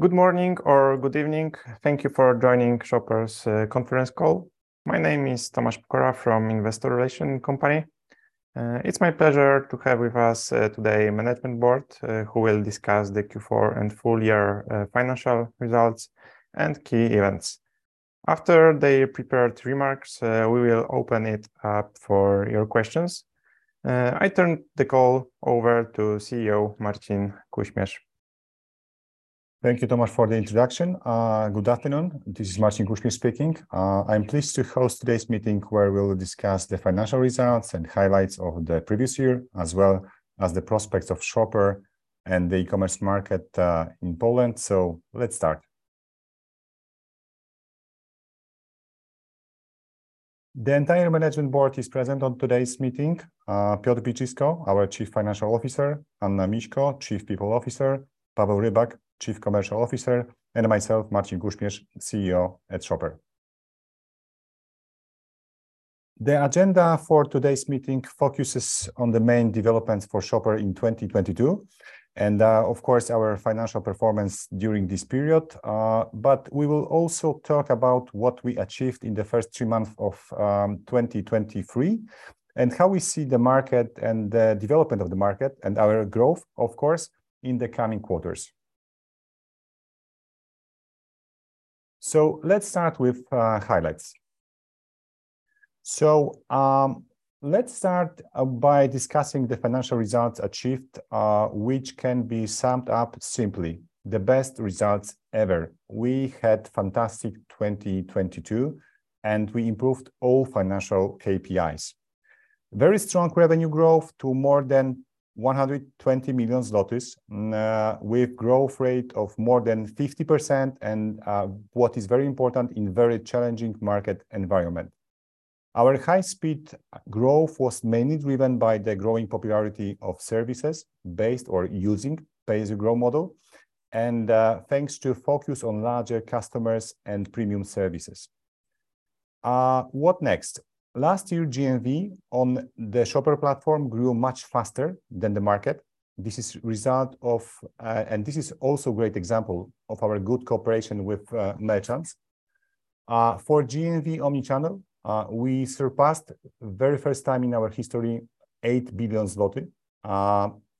Good morning or good evening. Thank you for joining Shoper's conference call. My name is Tomasz Pokora from Investor Relation company. It's my pleasure to have with us today management board who will discuss the Q4 and full year financial results and key events. After their prepared remarks, we will open it up for your questions. I turn the call over to CEO, Marcin Kuśmierz. Thank you, Tomasz, for the introduction. Good afternoon. This is Marcin Kuśmierz speaking. I'm pleased to host today's meeting where we'll discuss the financial results and highlights of the previous year as well as the prospects of Shoper and the commerce market in Poland. Let's start. The entire management board is present on today's meeting. Piotr Piechocki, our Chief Financial Officer, Anna Anna Miśko, Chief People Officer, Paweł Rybak, Chief Commercial Officer, and myself, Marcin Kuśmierz, CEO at Shoper. The agenda for today's meeting focuses on the main developments for Shoper in 2022 and, of course, our financial performance during this period. We will also talk about what we achieved in the first three months of 2023, and how we see the market and the development of the market and our growth, of course, in the coming quarters. Let's start with highlights. Let's start by discussing the financial results achieved, which can be summed up simply, the best results ever. We had fantastic 2022, and we improved all financial KPIs. Very strong revenue growth to more than 100 million zlotys, with growth rate of more than 50% and, what is very important, in very challenging market environment. Our high speed growth was mainly driven by the growing popularity of services based or using pay-as-you-grow model and, thanks to focus on larger customers and premium services. What next? Last year, GMV on the Shoper platform grew much faster than the market. This is result of, and this is also great example of our good cooperation with merchants. For GMV omni-channel, we surpassed very first time in our history 8 billion zloty,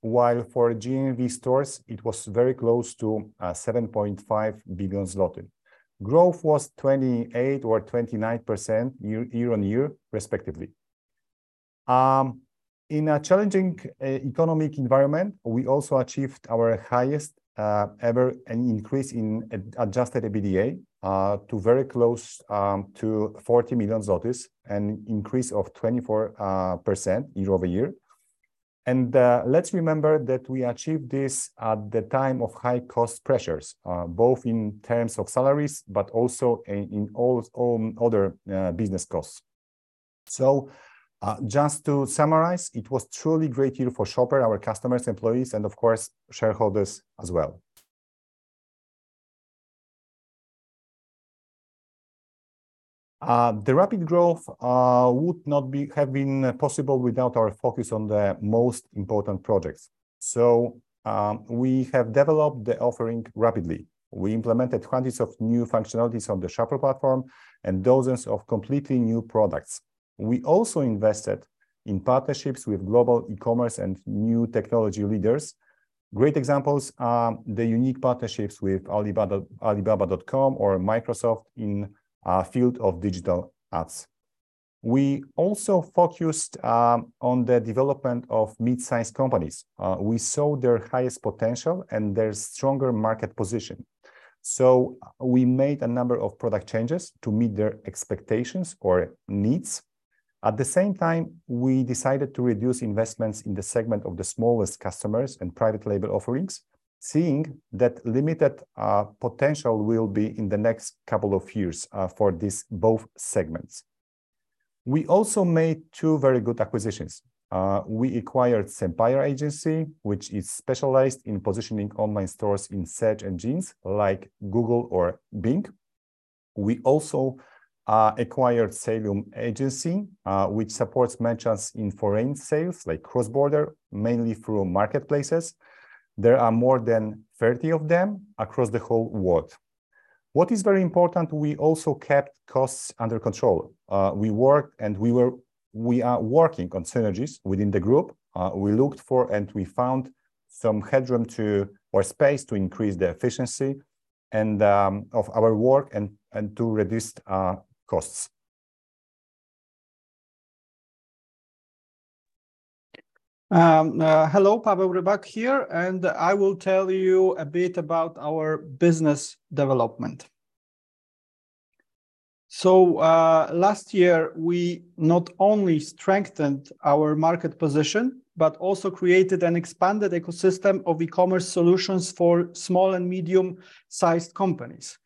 while for GMV stores it was very close to 7.5 billion zloty. Growth was 28% or 29% year-on-year, respectively. In a challenging economic environment, we also achieved our highest ever increase in adjusted EBITDA, to very close to 40 million zlotys, an increase of 24% year-over-year. Let's remember that we achieved this at the time of high cost pressures, both in terms of salaries but also in all other business costs. Just to summarize, it was truly great year for Shoper, our customers, employees and of course shareholders as well. The rapid growth would not have been possible without our focus on the most important projects. We have developed the offering rapidly. We implemented hundreds of new functionalities on the Shoper platform and dozens of completely new products. We also invested in partnerships with global e-commerce and new technology leaders. Great examples are the unique partnerships with Alibaba, alibaba.com or Microsoft in field of digital ads. We also focused on the development of midsize companies. We saw their highest potential and their stronger market position. We made a number of product changes to meet their expectations or needs. At the same time, we decided to reduce investments in the segment of the smallest customers and private label offerings, seeing that limited potential will be in the next couple of years for these both segments. We also made two very good acquisitions. We acquired SEMPIRE agency, which is specialized in positioning online stores in search engines like Google or Bing. We also acquired Selium agency, which supports merchants in foreign sales like cross-border, mainly through marketplaces. There are more than 30 of them across the whole world. What is very important, we also kept costs under control. We worked and we are working on synergies within the group. We looked for and we found some headroom to, or space to increase the efficiency of our work and to reduce costs. Hello. Paweł Rybak here, and I will tell you a bit about our business development. Last year, we not only strengthened our market position, but also created an expanded ecosystem of e-commerce solutions for small and medium-sized companies.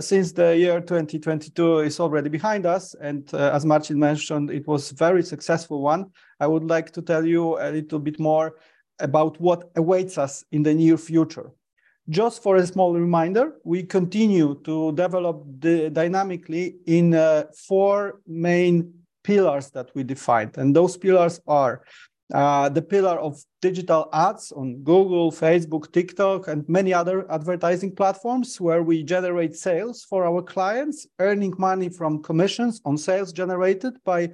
Since the year 2022 is already behind us, and as Marcin mentioned, it was very successful one, I would like to tell you a little bit more about what awaits us in the near future. Just for a small reminder, we continue to develop dynamically in four main pillars that we defined, and those pillars are the pillar of digital ads on Google, Facebook, TikTok, and many other advertising platforms where we generate sales for our clients, earning money from commissions on sales generated by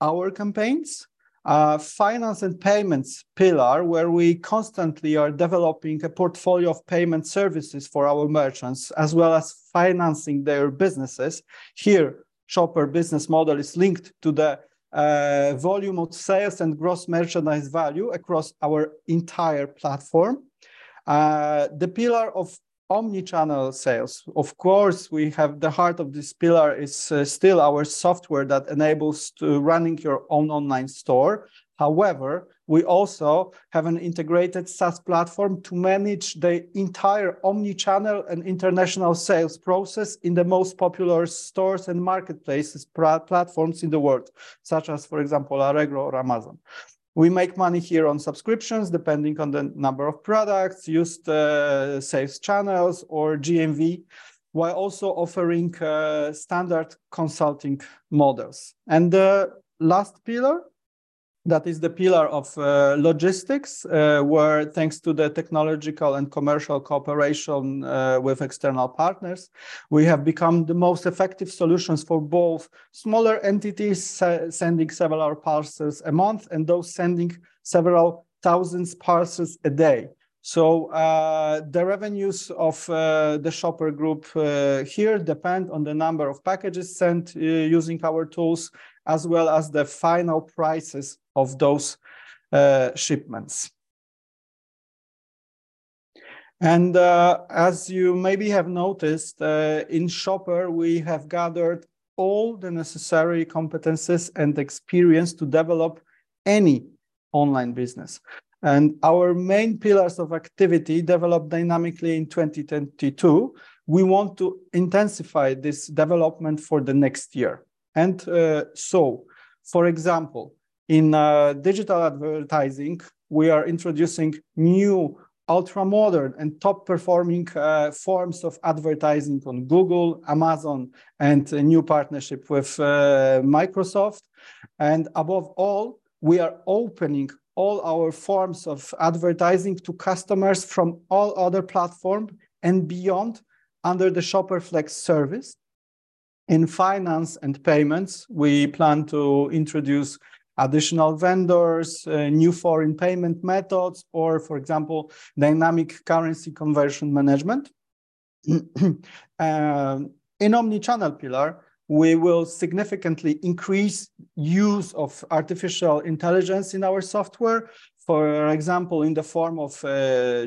our campaigns. Finance and payments pillar, where we constantly are developing a portfolio of payment services for our merchants, as well as financing their businesses. Here, Shoper business model is linked to the volume of sales and gross merchandise value across our entire platform. The pillar of omni-channel sales, of course, we have the heart of this pillar is still our software that enables to running your own online store. We also have an integrated SaaS platform to manage the entire omni-channel and international sales process in the most popular stores and marketplaces platforms in the world, such as, for example, Allegro or Amazon. We make money here on subscriptions, depending on the number of products, used sales channels or GMV, while also offering standard consulting models. The last pillar, that is the pillar of logistics, where thanks to the technological and commercial cooperation with external partners, we have become the most effective solutions for both smaller entities sending several parcels a month and those sending several thousands parcels a day. The revenues of the Shoper group here depend on the number of packages sent using our tools, as well as the final prices of those shipments. As you maybe have noticed, in Shoper we have gathered all the necessary competencies and experience to develop any online business. Our main pillars of activity developed dynamically in 2022, we want to intensify this development for the next year. So for example, in digital advertising, we are introducing new ultra-modern and top-performing forms of advertising on Google, Amazon, and a new partnership with Microsoft. Above all, we are opening all our forms of advertising to customers from all other platform and beyond under the Shoper Flex Service. In finance and payments, we plan to introduce additional vendors, new foreign payment methods or, for example, dynamic currency conversion management. In omni-channel pillar, we will significantly increase use of artificial intelligence in our software, for example, in the form of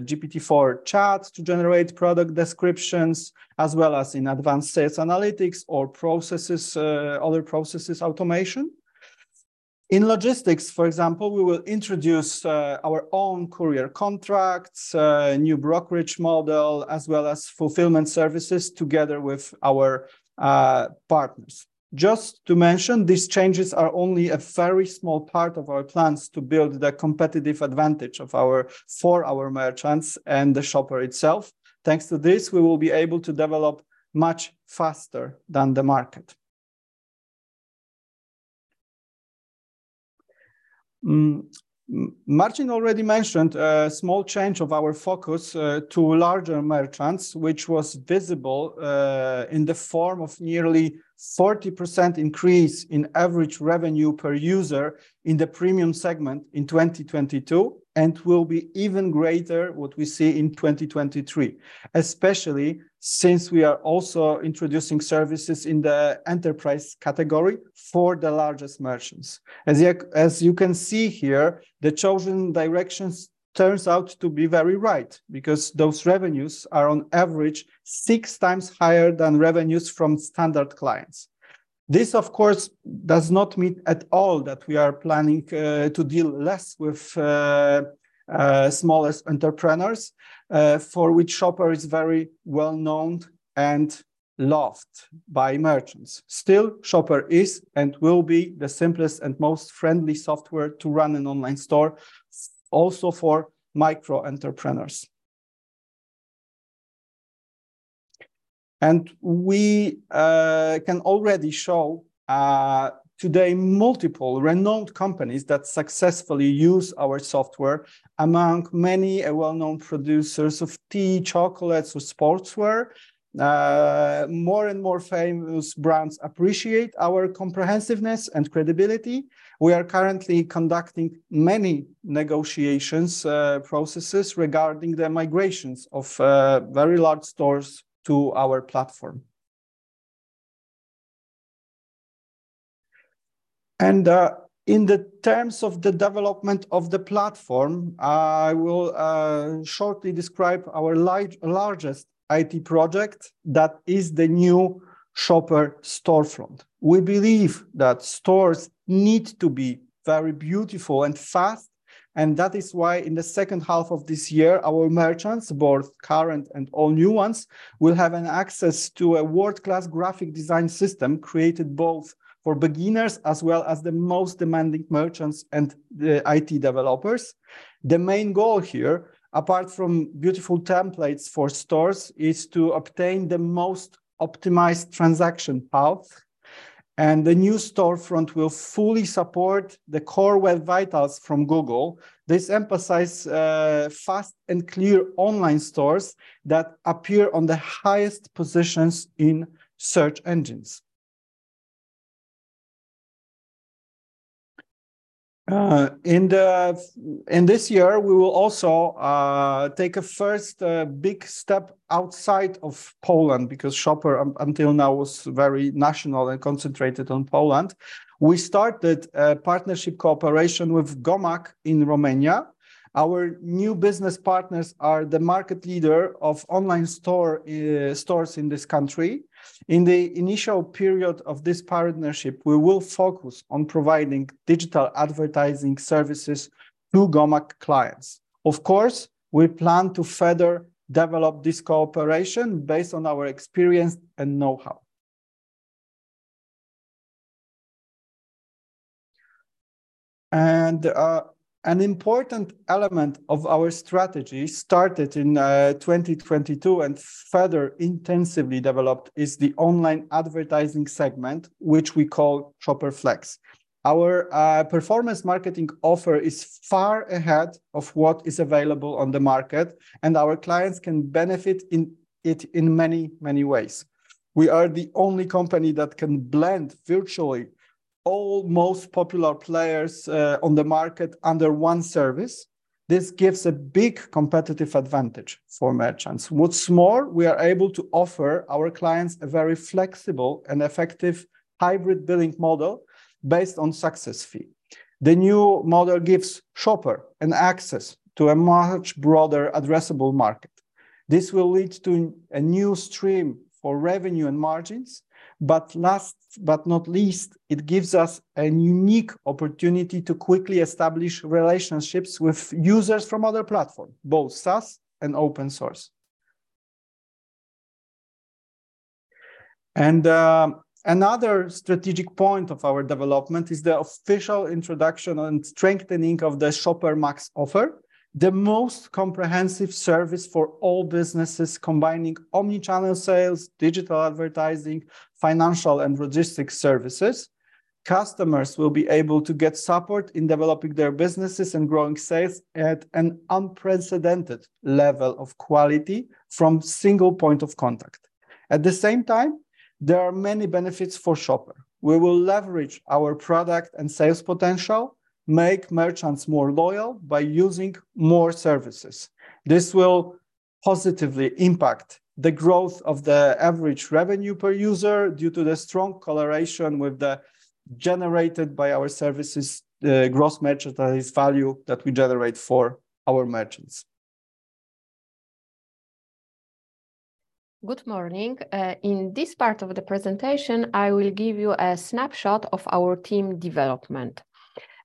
GPT-4 chats to generate product descriptions, as well as in advanced sales analytics or processes, other processes automation. In logistics, for example, we will introduce our own courier contracts, new brokerage model, as well as fulfillment services together with our partners. Just to mention, these changes are only a very small part of our plans to build the competitive advantage of our, for our merchants and the Shoper itself. Thanks to this, we will be able to develop much faster than the market. Marcin already mentioned a small change of our focus to larger merchants, which was visible in the form of nearly 40% increase in average revenue per user in the premium segment in 2022, and will be even greater what we see in 2023, especially since we are also introducing services in the enterprise category for the largest merchants. As you can see here, the chosen directions turns out to be very right, because those revenues are on average six times higher than revenues from standard clients. This, of course, does not mean at all that we are planning to deal less with smallest entrepreneurs, for which Shoper is very well known and loved by merchants. Still, Shoper is and will be the simplest and most friendly software to run an online store, also for micro entrepreneurs. We can already show today multiple renowned companies that successfully use our software among many well-known producers of tea, chocolates or sportswear. More and more famous brands appreciate our comprehensiveness and credibility. We are currently conducting many negotiations processes regarding the migrations of very large stores to our platform. In the terms of the development of the platform, I will shortly describe our largest IT project, that is the new Shoper storefront. We believe that stores need to be very beautiful and fast, and that is why in the second half of this year, our merchants, both current and all new ones, will have an access to a world-class graphic design system created both for beginners as well as the most demanding merchants and the IT developers. The main goal here, apart from beautiful templates for stores, is to obtain the most optimized transaction path, and the new storefront will fully support the Core Web Vitals from Google. This emphasize fast and clear online stores that appear on the highest positions in search engines. In the, in this year, we will also take a first big step outside of Poland, because Shoper until now was very national and concentrated on Poland. We started a partnership cooperation with Gomag in Romania. Our new business partners are the market leader of online stores in this country. In the initial period of this partnership, we will focus on providing digital advertising services to Gomag clients. Of course, we plan to further develop this cooperation based on our experience and know-how. An important element of our strategy started in 2022 and further intensively developed is the online advertising segment, which we call Shoper Flex. Our performance marketing offer is far ahead of what is available on the market and our clients can benefit in it in many ways. We are the only company that can blend virtually all most popular players on the market under one service. This gives a big competitive advantage for merchants. We are able to offer our clients a very flexible and effective hybrid billing model based on success fee. The new model gives Shoper an access to a much broader addressable market. This will lead to a new stream for revenue and margins, last but not least, it gives us a unique opportunity to quickly establish relationships with users from other platforms, both SaaS and open source. Another strategic point of our development is the official introduction and strengthening of the Shoper Max offer, the most comprehensive service for all businesses combining omni-channel sales, digital advertising, financial and logistic services. Customers will be able to get support in developing their businesses and growing sales at an unprecedented level of quality from a single point of contact. At the same time, there are many benefits for Shoper. We will leverage our product and sales potential, make merchants more loyal by using more services. This will positively impact the growth of the average revenue per user due to the strong correlation with the generated by our services, gross merchandise value that we generate for our merchants. Good morning. In this part of the presentation, I will give you a snapshot of our team development.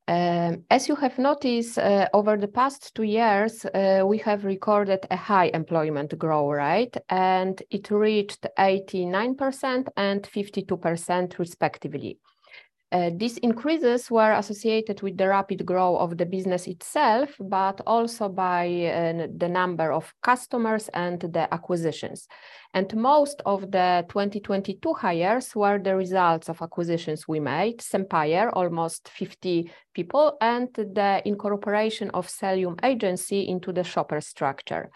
As you have noticed, over the past two years, we have recorded a high employment growth, right? It reached 89% and 52% respectively. These increases were associated with the rapid growth of the business itself, but also by the number of customers and the acquisitions. Most of the 2022 hires were the results of acquisitions we made, Sempire, almost 50 people, and the incorporation of Selium Agency into the Shoper structure.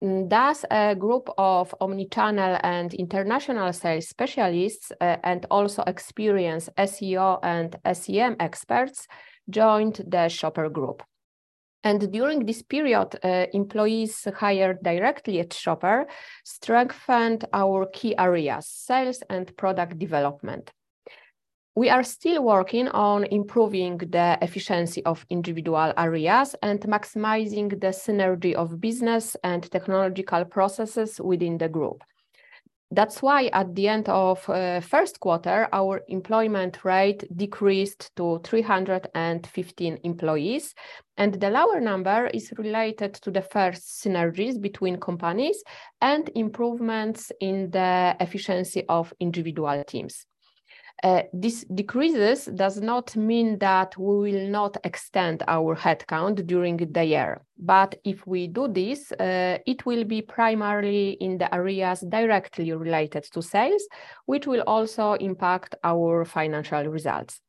Thus a group of omni-channel and international sales specialists, and also experienced SEO and SEM experts joined the Shoper group. During this period, employees hired directly at Shoper strengthened our key areas, sales and product development. We are still working on improving the efficiency of individual areas and maximizing the synergy of business and technological processes within the group. That's why at the end of first quarter, our employment rate decreased to 315 employees, and the lower number is related to the first synergies between companies and improvements in the efficiency of individual teams. This decreases does not mean that we will not extend our headcount during the year. If we do this, it will be primarily in the areas directly related to sales, which will also impact our financial results.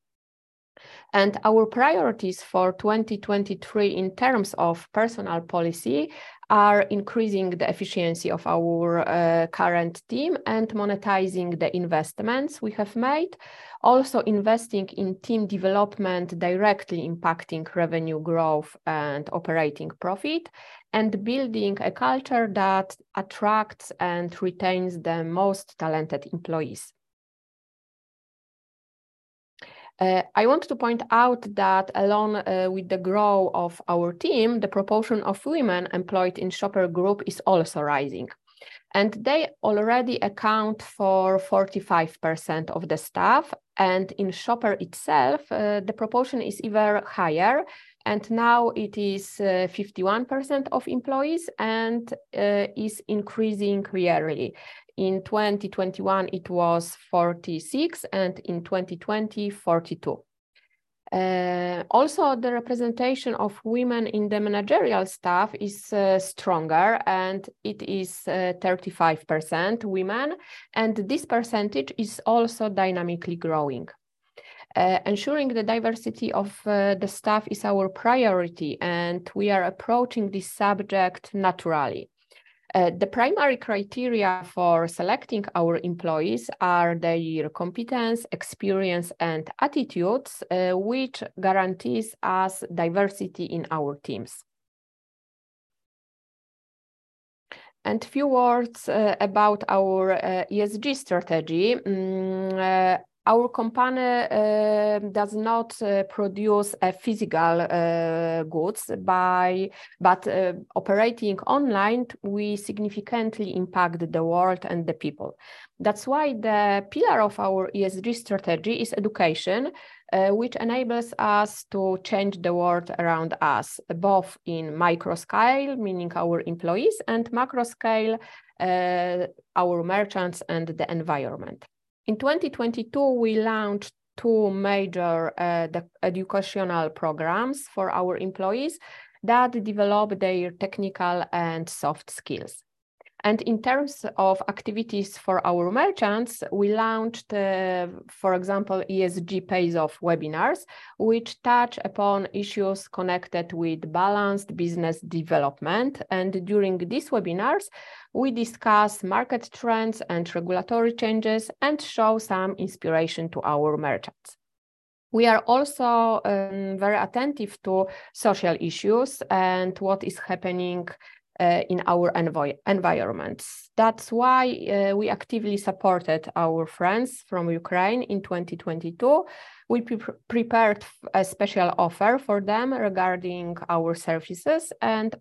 Our priorities for 2023 in terms of personal policy are increasing the efficiency of our current team and monetizing the investments we have made. Also, investing in team development directly impacting revenue growth and operating profit, and building a culture that attracts and retains the most talented employees. I want to point out that along with the growth of our team, the proportion of women employed in Shoper Group is also rising, and they already account for 45% of the staff. In Shoper itself, the proportion is even higher, and now it is 51% of employees and is increasing yearly. In 2021, it was 46, and in 2020, 42. Also the representation of women in the managerial staff is stronger, and it is 35% women, and this percentage is also dynamically growing. Ensuring the diversity of the staff is our priority, and we are approaching this subject naturally. The primary criteria for selecting our employees are their competence, experience, and attitudes, which guarantees us diversity in our teams. Few words about our ESG strategy. Our company does not produce physical goods, but operating online, we significantly impact the world and the people. That is why the pillar of our ESG strategy is education, which enables us to change the world around us, both in micro scale, meaning our employees, and macro scale, our merchants and the environment. In 2022, we launched two major educational programs for our employees that develop their technical and soft skills. In terms of activities for our merchants, we launched, for example, ESG Pays Off webinars, which touch upon issues connected with balanced business development. During these webinars, we discuss market trends and regulatory changes and show some inspiration to our merchants. We are also very attentive to social issues and what is happening in our environments. That's why we actively supported our friends from Ukraine in 2022. We prepared a special offer for them regarding our services,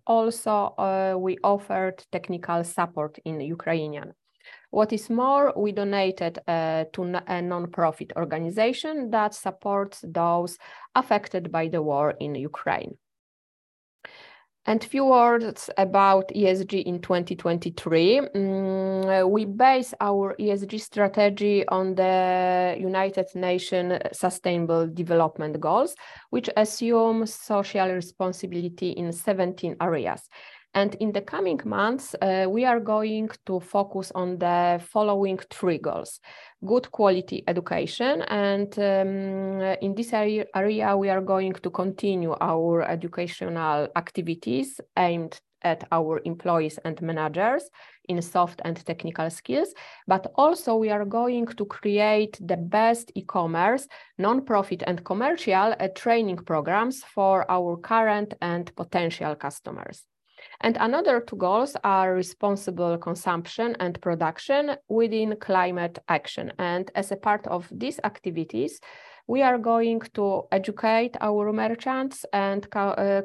also we offered technical support in Ukrainian. What is more, we donated to a non-profit organization that supports those affected by the war in Ukraine. Few words about ESG in 2023. We base our ESG strategy on the United Nations Sustainable Development Goals, which assume social responsibility in 17 areas. In the coming months, we are going to focus on the following three goals. Good quality education. In this area, we are going to continue our educational activities aimed at our employees and managers in soft and technical skills. Also, we are going to create the best e-commerce, nonprofit and commercial training programs for our current and potential customers. Another two goals are responsible consumption and production within climate action. As a part of these activities, we are going to educate our merchants and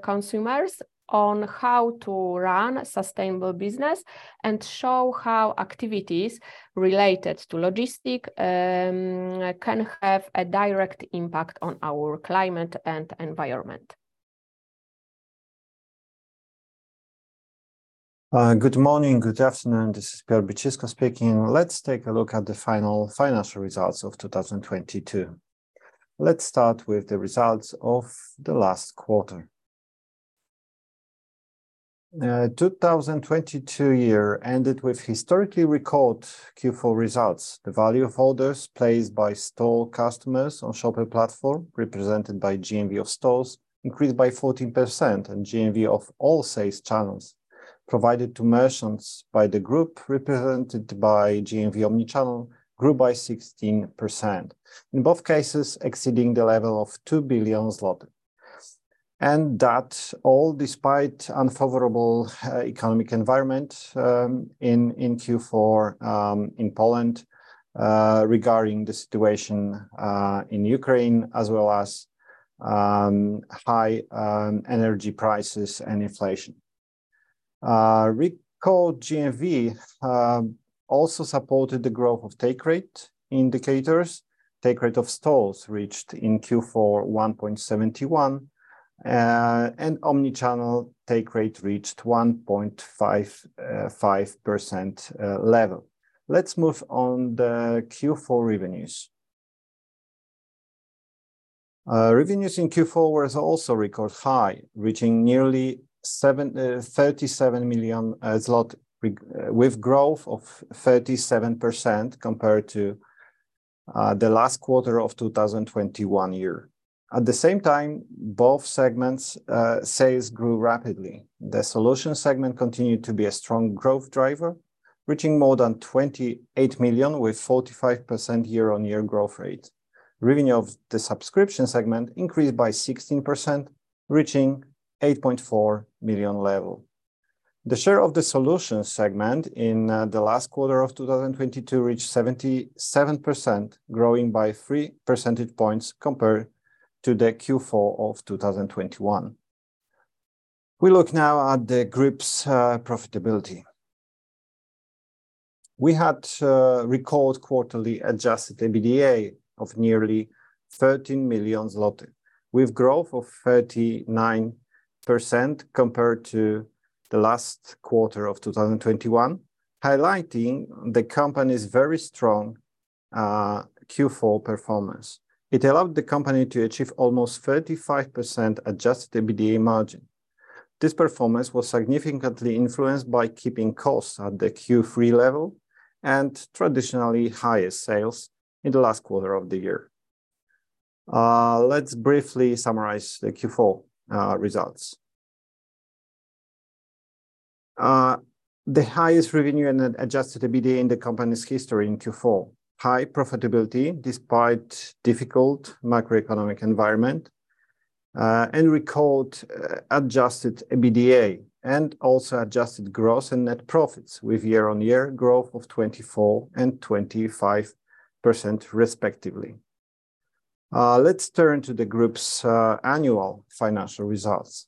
consumers on how to run sustainable business and show how activities related to logistics can have a direct impact on our climate and environment. Good morning, good afternoon. This is Piotr Biczysko speaking. Let's take a look at the final financial results of 2022. Let's start with the results of the last quarter. 2022 year ended with historically record Q4 results. The value of orders placed by store customers on Shoper platform, represented by GMV of stores, increased by 14%, and GMV of all sales channels provided to merchants by the group, represented by GMV omni-channel, grew by 16%. In both cases, exceeding the level of 2 billion zloty. That all despite unfavorable economic environment in Q4 in Poland regarding the situation in Ukraine, as well as high energy prices and inflation. Recall GMV also supported the growth of take rate indicators. Take rate of stores reached in Q4 1.71 and omni-channel take rate reached 1.55% level. Let's move on the Q4 revenues. Revenues in Q4 was also record high, reaching nearly 37 million zloty with growth of 37% compared to the last quarter of 2021 year. At the same time, both segments' sales grew rapidly. The solutions segment continued to be a strong growth driver, reaching more than 28 million, with 45% year-on-year growth rate. Revenue of the subscription segment increased by 16%, reaching 8.4 million level. The share of the solutions segment in the last quarter of 2022 reached 77%, growing by 3 percentage points compared to the Q4 of 2021. We look now at the group's profitability. We had record quarterly adjusted EBITDA of nearly 13 million zloty, with growth of 39% compared to the last quarter of 2021, highlighting the company's very strong Q4 performance. It allowed the company to achieve almost 35% adjusted EBITDA margin. This performance was significantly influenced by keeping costs at the Q3 level and traditionally highest sales in the last quarter of the year. Let's briefly summarize the Q4 results. The highest revenue and adjusted EBITDA in the company's history in Q4. High profitability despite difficult macroeconomic environment, and record adjusted EBITDA, and also adjusted gross and net profits with year-on-year growth of 24% and 25% respectively. Let's turn to the group's annual financial results.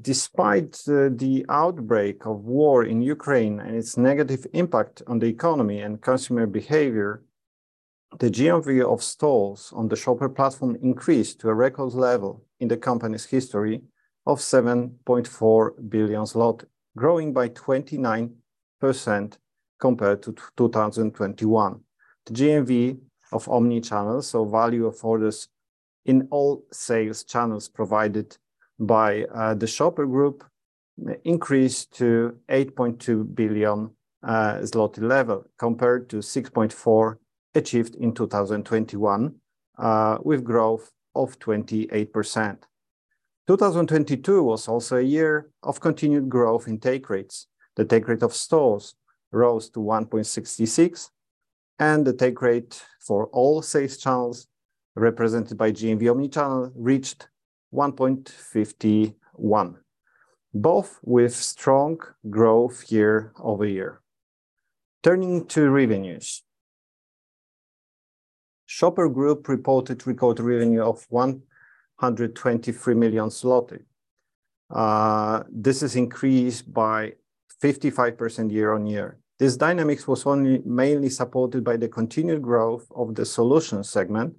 Despite the outbreak of war in Ukraine and its negative impact on the economy and consumer behavior, the GMV of stores on the Shoper platform increased to a record level in the company's history of 7.4 billion zloty, growing by 29% compared to 2021. The GMV of omni-channel, so value of orders in all sales channels provided by the Shoper Group increased to 8.2 billion zloty level compared to 6.4 billion achieved in 2021, with growth of 28%. 2022 was also a year of continued growth in take rates. The take rate of stores rose to 1.66, and the take rate for all sales channels represented by GMV omni-channel reached 1.51, both with strong growth year-over-year. Turning to revenues. Shoper Group reported record revenue of 123 million. This is increased by 55% year-over-year. This dynamics was only mainly supported by the continued growth of the solutions segment,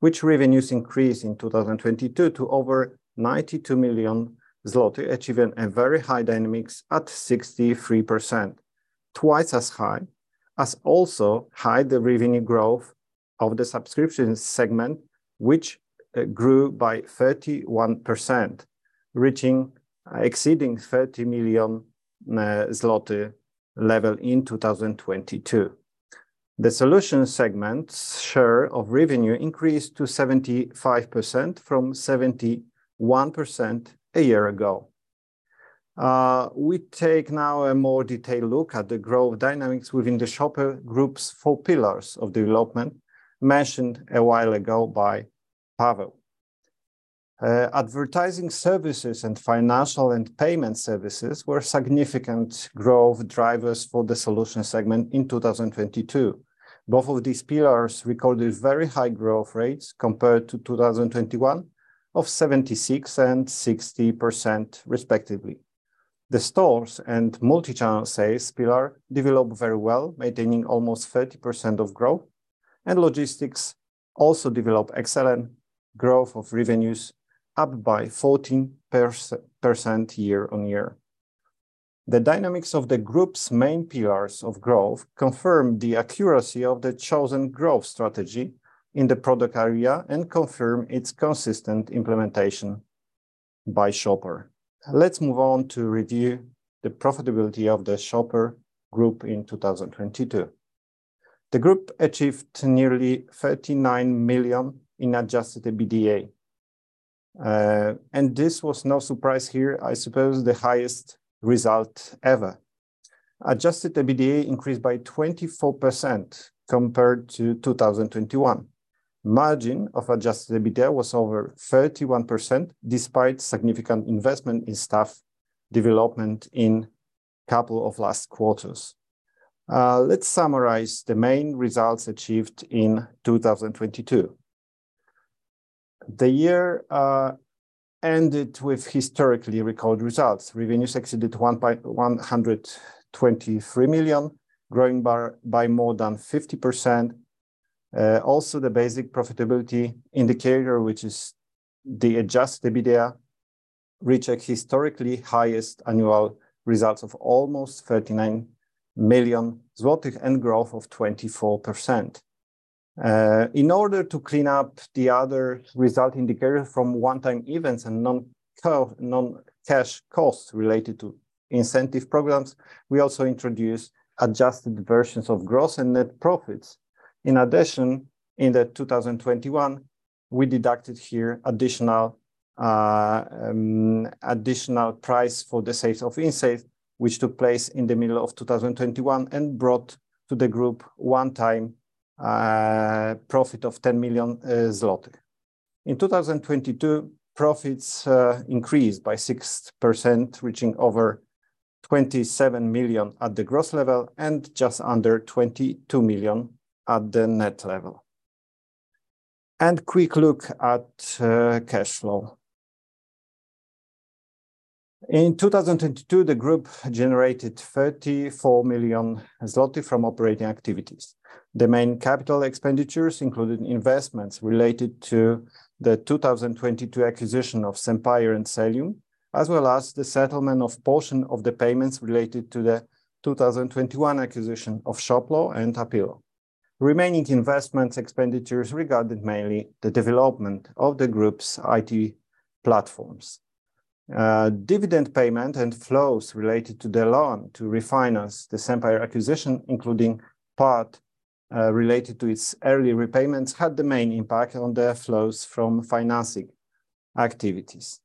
which revenues increased in 2022 to over 92 million zloty, achieving a very high dynamics at 63%, twice as high as also high the revenue growth of the subscription segment, which grew by 31%, reaching exceeding 30 million zloty level in 2022. The solution segment's share of revenue increased to 75% from 71% a year ago. We take now a more detailed look at the growth dynamics within the Shoper Group's four pillars of development mentioned a while ago by Paweł. Advertising services and financial and payment services were significant growth drivers for the solution segment in 2022. Both of these pillars recorded very high growth rates compared to 2021 of 76% and 60% respectively. The stores and multi-channel sales pillar developed very well, maintaining almost 30% of growth, and logistics also developed excellent growth of revenues, up by 14% year-on-year. The dynamics of the group's main pillars of growth confirm the accuracy of the chosen growth strategy in the product area and confirm its consistent implementation by Shoper. Let's move on to review the profitability of the Shoper group in 2022. The group achieved nearly 39 million in adjusted EBITDA, and this was no surprise here, I suppose, the highest result ever. Adjusted EBITDA increased by 24% compared to 2021. Margin of adjusted EBITDA was over 31% despite significant investment in staff development in couple of last quarters. Let's summarize the main results achieved in 2022. The year ended with historically recorded results. Revenues exceeded 123 million, growing by more than 50%. Also the basic profitability indicator, which is the adjusted EBITDA, reached historically highest annual results of almost 39 million zlotys and growth of 24%. In order to clean up the other result indicator from one-time events and non-cash costs related to incentive programs, we also introduced adjusted versions of gross and net profits. In addition, in 2021, we deducted here additional additional price for the sales of inSait, which took place in the middle of 2021 and brought to the group one-time profit of 10 million zloty. In 2022, profits increased by 6%, reaching over 27 million at the gross level and just under 22 million at the net level. Quick look at cash flow. In 2022, the group generated 34 million zloty from operating activities. The main capital expenditures included investments related to the 2022 acquisition of SEMPIRE and Selium, as well as the settlement of portion of the payments related to the 2021 acquisition of Shoplo and Apilo. Remaining investments expenditures regarded mainly the development of the group's IT platforms. Dividend payment and flows related to the loan to refinance the SEMPIRE acquisition, including part related to its early repayments, had the main impact on the flows from financing activities.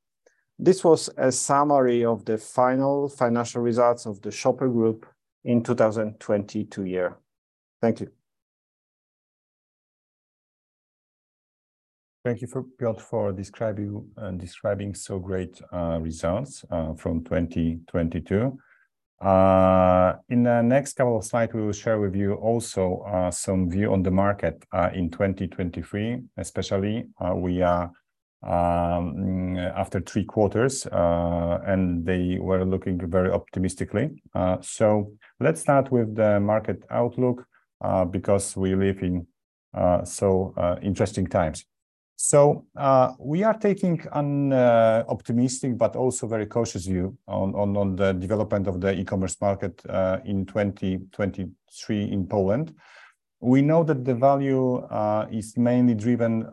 This was a summary of the final financial results of the Shoper group in 2022 year. Thank you. Thank you Piotr, for describing so great results from 2022. In the next couple of slide, we will share with you also some view on the market in 2023, especially we are after three quarters, and they were looking very optimistically. Let's start with the market outlook because we live in so interesting times. We are taking an optimistic, but also very cautious view on the development of the e-commerce market in 2023 in Poland. We know that the value is mainly driven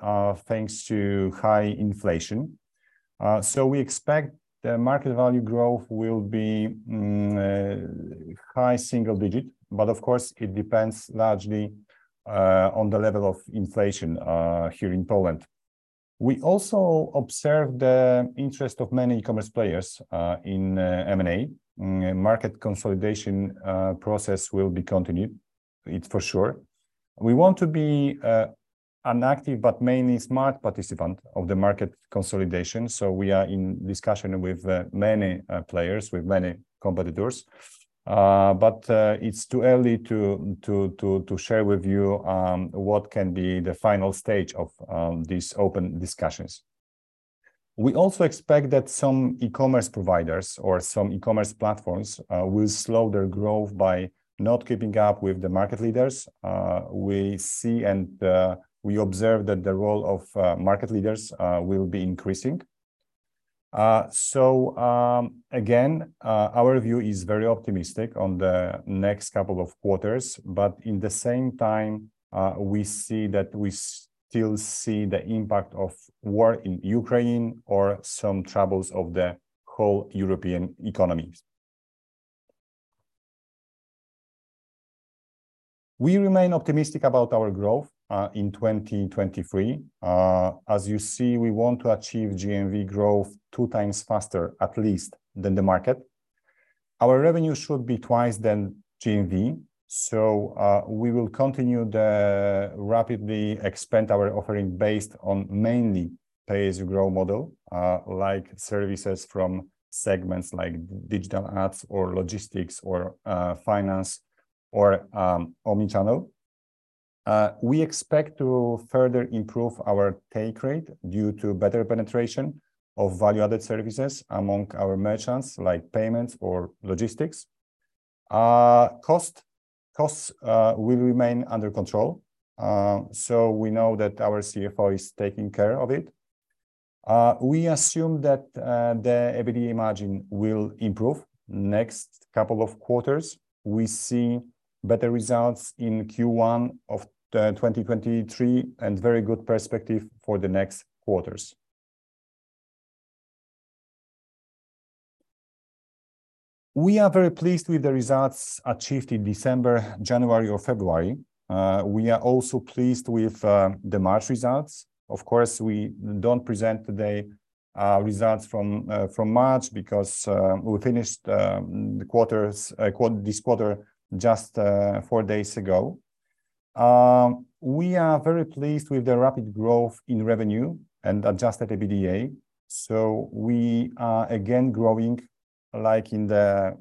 thanks to high inflation. We expect the market value growth will be high single digit. Of course, it depends largely on the level of inflation here in Poland. We also observe the interest of many e-commerce players in M&A. Market consolidation process will be continued. It's for sure. We want to be an active, but mainly smart participant of the market consolidation, so we are in discussion with many players, with many competitors. It's too early to share with you what can be the final stage of these open discussions. We also expect that some e-commerce providers or some e-commerce platforms will slow their growth by not keeping up with the market leaders. We see and we observe that the role of market leaders will be increasing. Again, our view is very optimistic on the next couple of quarters. In the same time, we see that we still see the impact of war in Ukraine or some troubles of the whole European economies. We remain optimistic about our growth in 2023. As you see, we want to achieve GMV growth two times faster at least than the market. Our revenue should be two times than GMV, we will continue the rapidly expand our offering based on mainly pay-as-you-grow model, like services from segments like digital ads or logistics or finance or omni-channel. We expect to further improve our take rate due to better penetration of value-added services among our merchants, like payments or logistics. Costs will remain under control, we know that our CFO is taking care of it. We assume that the EBITDA margin will improve next couple of quarters. We see better results in Q1 of 2023 and very good perspective for the next quarters. We are very pleased with the results achieved in December, January or February. We are also pleased with the March results. Of course, we don't present today results from March because we finished the quarter, this quarter just four days ago. We are very pleased with the rapid growth in revenue and adjusted EBITDA, we are again growing, like in the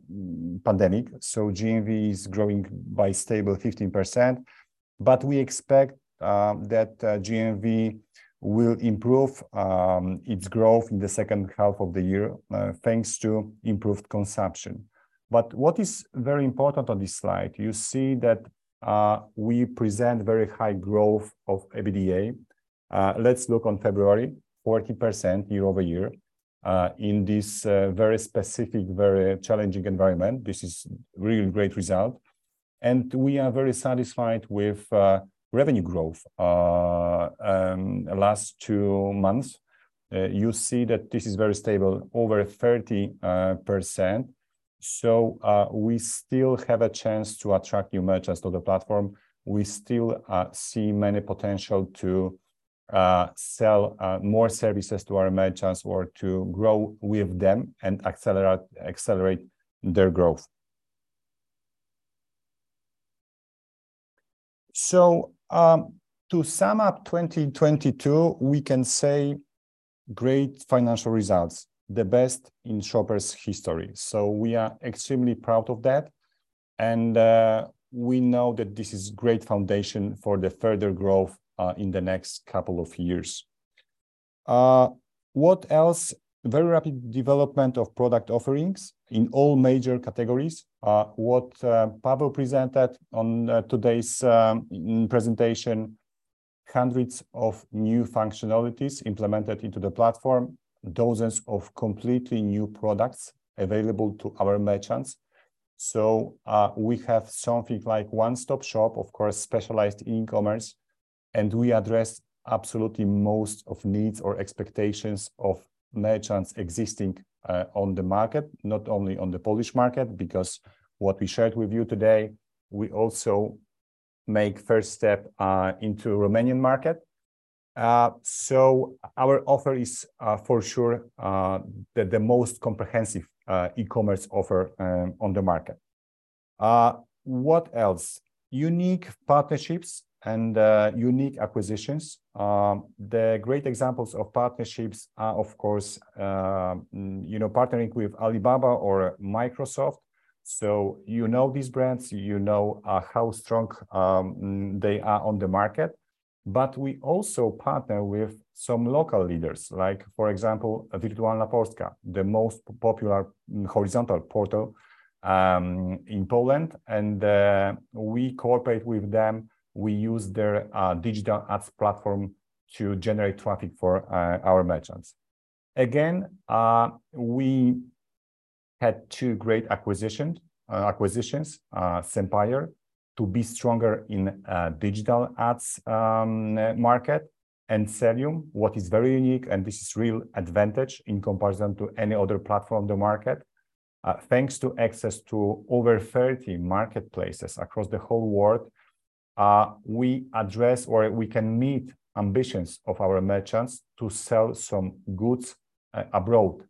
pandemic. GMV is growing by stable 15%, we expect that GMV will improve its growth in the second half of the year thanks to improved consumption. What is very important on this slide, you see that we present very high growth of EBITDA. Let's look on February, 40% year-over-year. In this very specific, very challenging environment, this is really great result, and we are very satisfied with revenue growth. Last two months, you see that this is very stable, over 30%. We still have a chance to attract new merchants to the platform. We still see many potential to sell more services to our merchants or to grow with them and accelerate their growth. To sum up 2022, we can say great financial results, the best in Shoper's history. We are extremely proud of that. We know that this is great foundation for the further growth in the next couple of years. What else? Very rapid development of product offerings in all major categories. What Paweł presented on today's presentation, hundreds of new functionalities implemented into the platform, dozens of completely new products available to our merchants. We have something like one-stop shop, of course, specialized in e-commerce. We address absolutely most of needs or expectations of merchants existing on the market, not only on the Polish market, because what we shared with you today, we also make first step into Romanian market. Our offer is for sure the most comprehensive e-commerce offer on the market. What else? Unique partnerships and unique acquisitions. The great examples of partnerships are of course, you know, partnering with Alibaba or Microsoft. You know these brands, you know how strong they are on the market. We also partner with some local leaders, like for example, Wirtualna Polska, the most popular horizontal portal in Poland, we cooperate with them. We use their digital ads platform to generate traffic for our merchants. Again, we had two great acquisitions, SEMPIRE, to be stronger in digital ads market, and Selium, what is very unique, and this is real advantage in comparison to any other platform on the market. Thanks to access to over 30 marketplaces across the whole world, we address, or we can meet ambitions of our merchants to sell some goods abroad.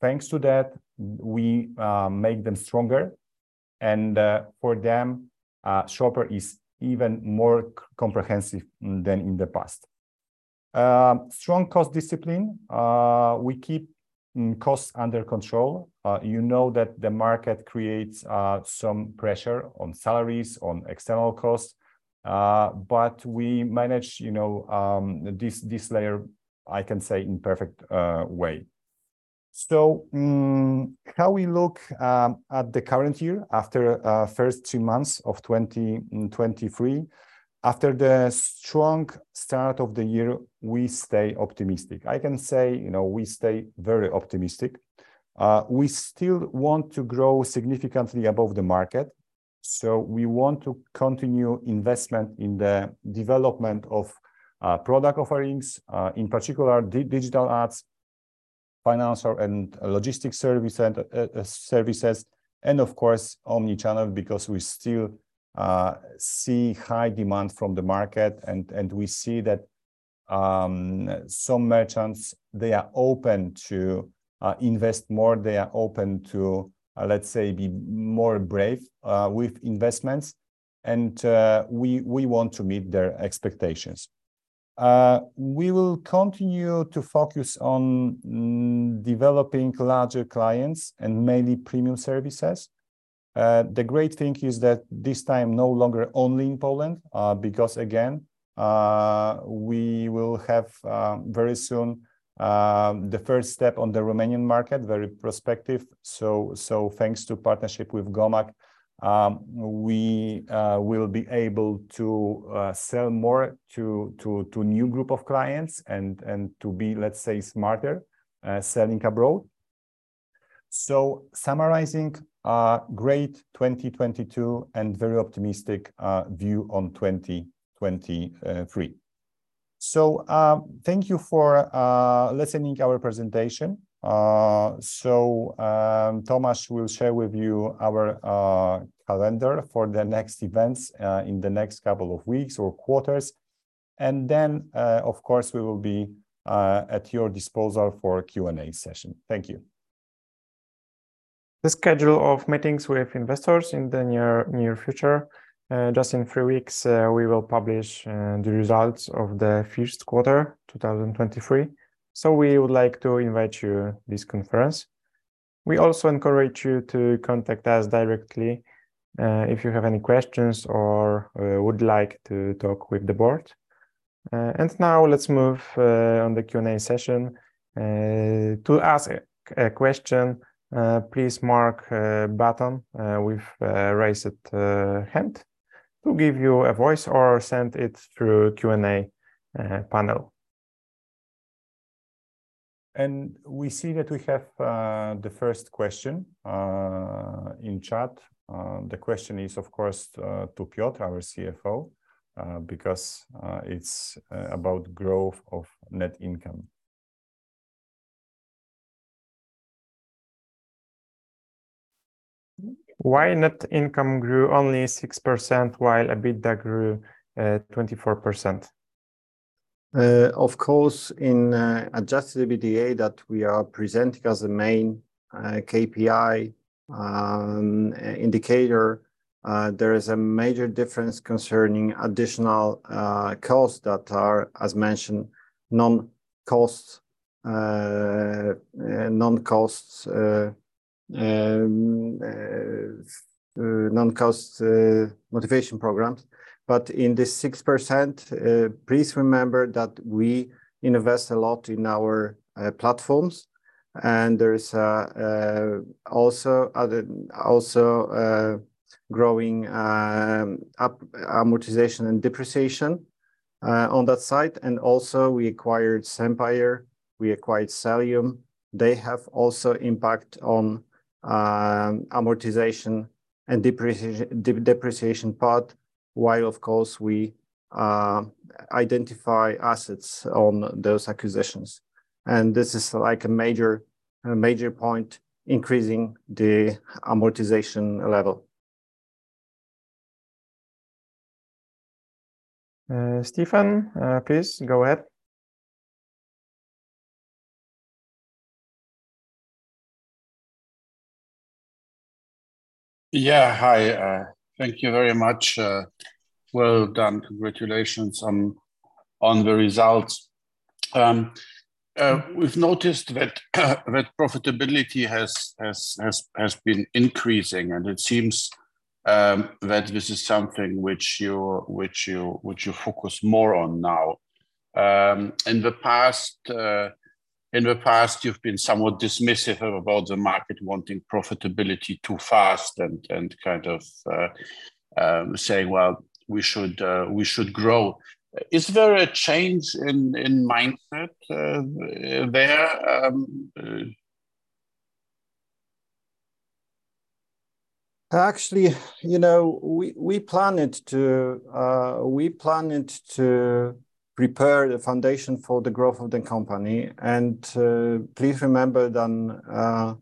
Thanks to that, we make them stronger, and for them, Shoper is even more comprehensive than in the past. Strong cost discipline. We keep costs under control. You know that the market creates some pressure on salaries, on external costs, we manage, you know, this layer, I can say, in perfect way. How we look at the current year after first two months of 2023? After the strong start of the year, we stay optimistic. I can say, you know, we stay very optimistic. We still want to grow significantly above the market, so we want to continue investment in the development of product offerings, in particular digital ads, financial and logistics service, services, and of course omni-channel, because we still see high demand from the market and we see that some merchants, they are open to invest more, they are open to, let's say, be more brave with investments and we want to meet their expectations. We will continue to focus on developing larger clients and mainly premium services. The great thing is that this time no longer only in Poland, because again, we will have very soon the first step on the Romanian market, very prospective. Thanks to partnership with Gomag, we will be able to sell more to new group of clients and to be, let's say, smarter selling abroad. Summarizing a great 2022 and very optimistic view on 2023. Thank you for listening our presentation. Tomasz will share with you our calendar for the next events in the next couple of weeks or quarters. Then, of course, we will be at your disposal for Q&A session. Thank you. The schedule of meetings with investors in the near future, just in three weeks, we will publish the results of the first quarter, 2023. We would like to invite you this conference. We also encourage you to contact us directly if you have any questions or would like to talk with the Board. Now let's move on the Q&A session. To ask a question, please mark a button with a raised hand. We'll give you a voice or send it through Q&A panel. We see that we have the first question in chat. The question is of course to Piotr, our CFO, because it's about growth of net income. Why net income grew only 6% while EBITDA grew 24%? Of course, in adjusted EBITDA that we are presenting as a main KPI indicator, there is a major difference concerning additional costs that are, as mentioned, non-cost motivation programs. In this 6%, please remember that we invest a lot in our platforms, and there is also other growing up amortization and depreciation. On that side and also we acquired SEMPIRE, we acquired Selium. They have also impact on amortization and depreciation part, while of course we identify assets on those acquisitions. This is like a major point increasing the amortization level. Stefan, please go ahead. Yeah. Hi, thank you very much. Well done. Congratulations on the results. We've noticed that profitability has been increasing and it seems that this is something which you focus more on now. In the past you've been somewhat dismissive about the market wanting profitability too fast and kind of saying, "Well, we should grow." Is there a change in mindset there? Actually, you know, we planned to prepare the foundation for the growth of the company. Please remember that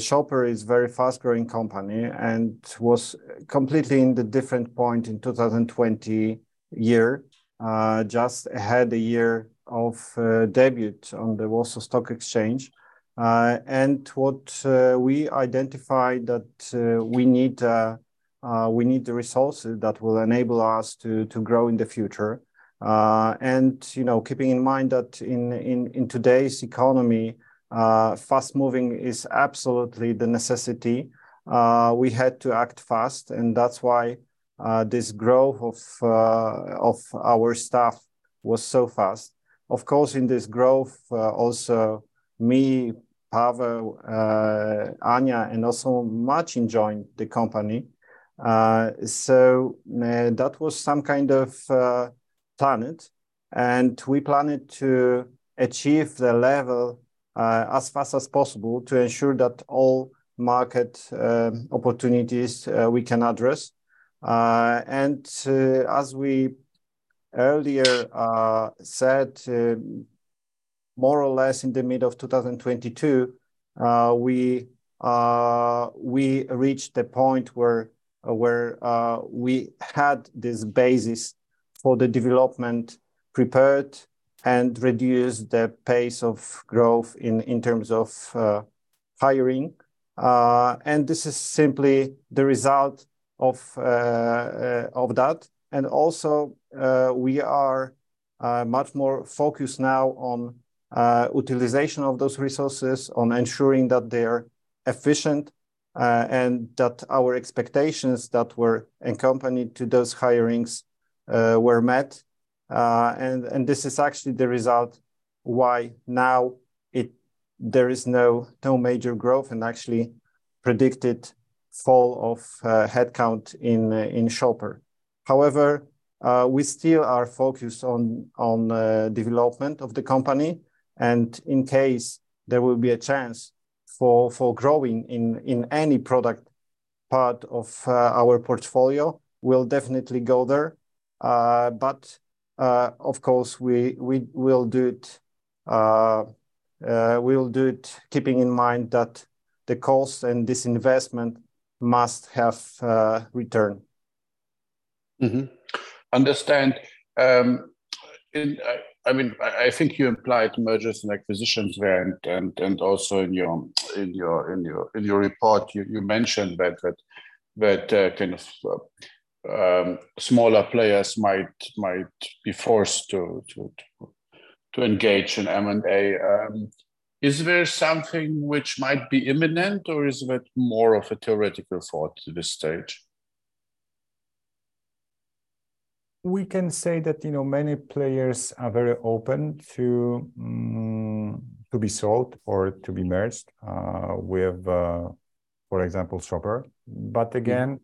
Shoper is very fast-growing company, and was completely in the different point in 2020, just had a year of debut on the Warsaw Stock Exchange. What we identified that we need the resources that will enable us to grow in the future. You know, keeping in mind that in today's economy, fast moving is absolutely the necessity. We had to act fast and that's why this growth of our staff was so fast. Of course, in this growth, also me, Paweł, Ania, and also Marcin joined the company. So that was some kind of planned. We planned to achieve the level as fast as possible to ensure that all market opportunities we can address. As we earlier said, more or less in the middle of 2022, we reached the point where we had this basis for the development prepared and reduced the pace of growth in terms of hiring. This is simply the result of that. Also, we are much more focused now on utilization of those resources, on ensuring that they're efficient and that our expectations that were accompanied to those hirings were met. This is actually the result why now it, there is no major growth and actually predicted fall of headcount in Shoper. We still are focused on development of the company and in case there will be a chance for growing in any product part of our portfolio, we'll definitely go there. Of course, we will do it keeping in mind that the cost and this investment must have return. Mm-hmm. Understand. I mean, I think you implied mergers and acquisitions there and also in your report you mentioned that kind of smaller players might be forced to engage in M&A. Is there something which might be imminent or is that more of a theoretical thought to this stage? We can say that, you know, many players are very open to be sold or to be merged with, for example, Shoper. Again,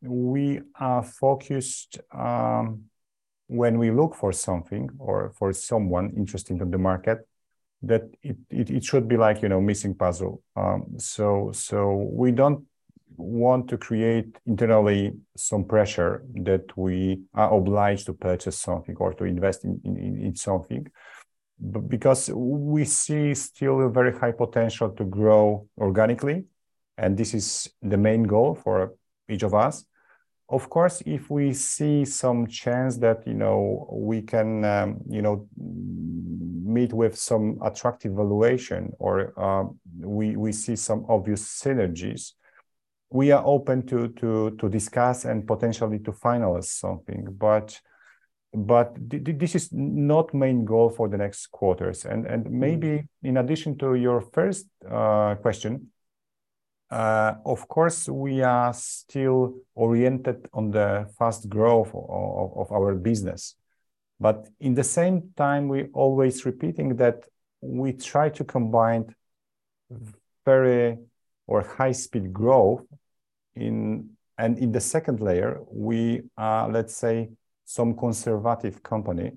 we are focused, when we look for something or for someone interesting on the market, that it should be like, you know, missing puzzle. We don't want to create internally some pressure that we are obliged to purchase something or to invest in something. Because we see still a very high potential to grow organically, and this is the main goal for each of us. Of course, if we see some chance that, you know, we can, you know, meet with some attractive valuation or, we see some obvious synergies, we are open to discuss and potentially to finalize something. This is not main goal for the next quarters and maybe in addition to your first question, of course, we are still oriented on the fast growth of our business. In the same time, we're always repeating that we try to combine. Very or high speed growth in, and in the second layer, we are, let's say, some conservative company,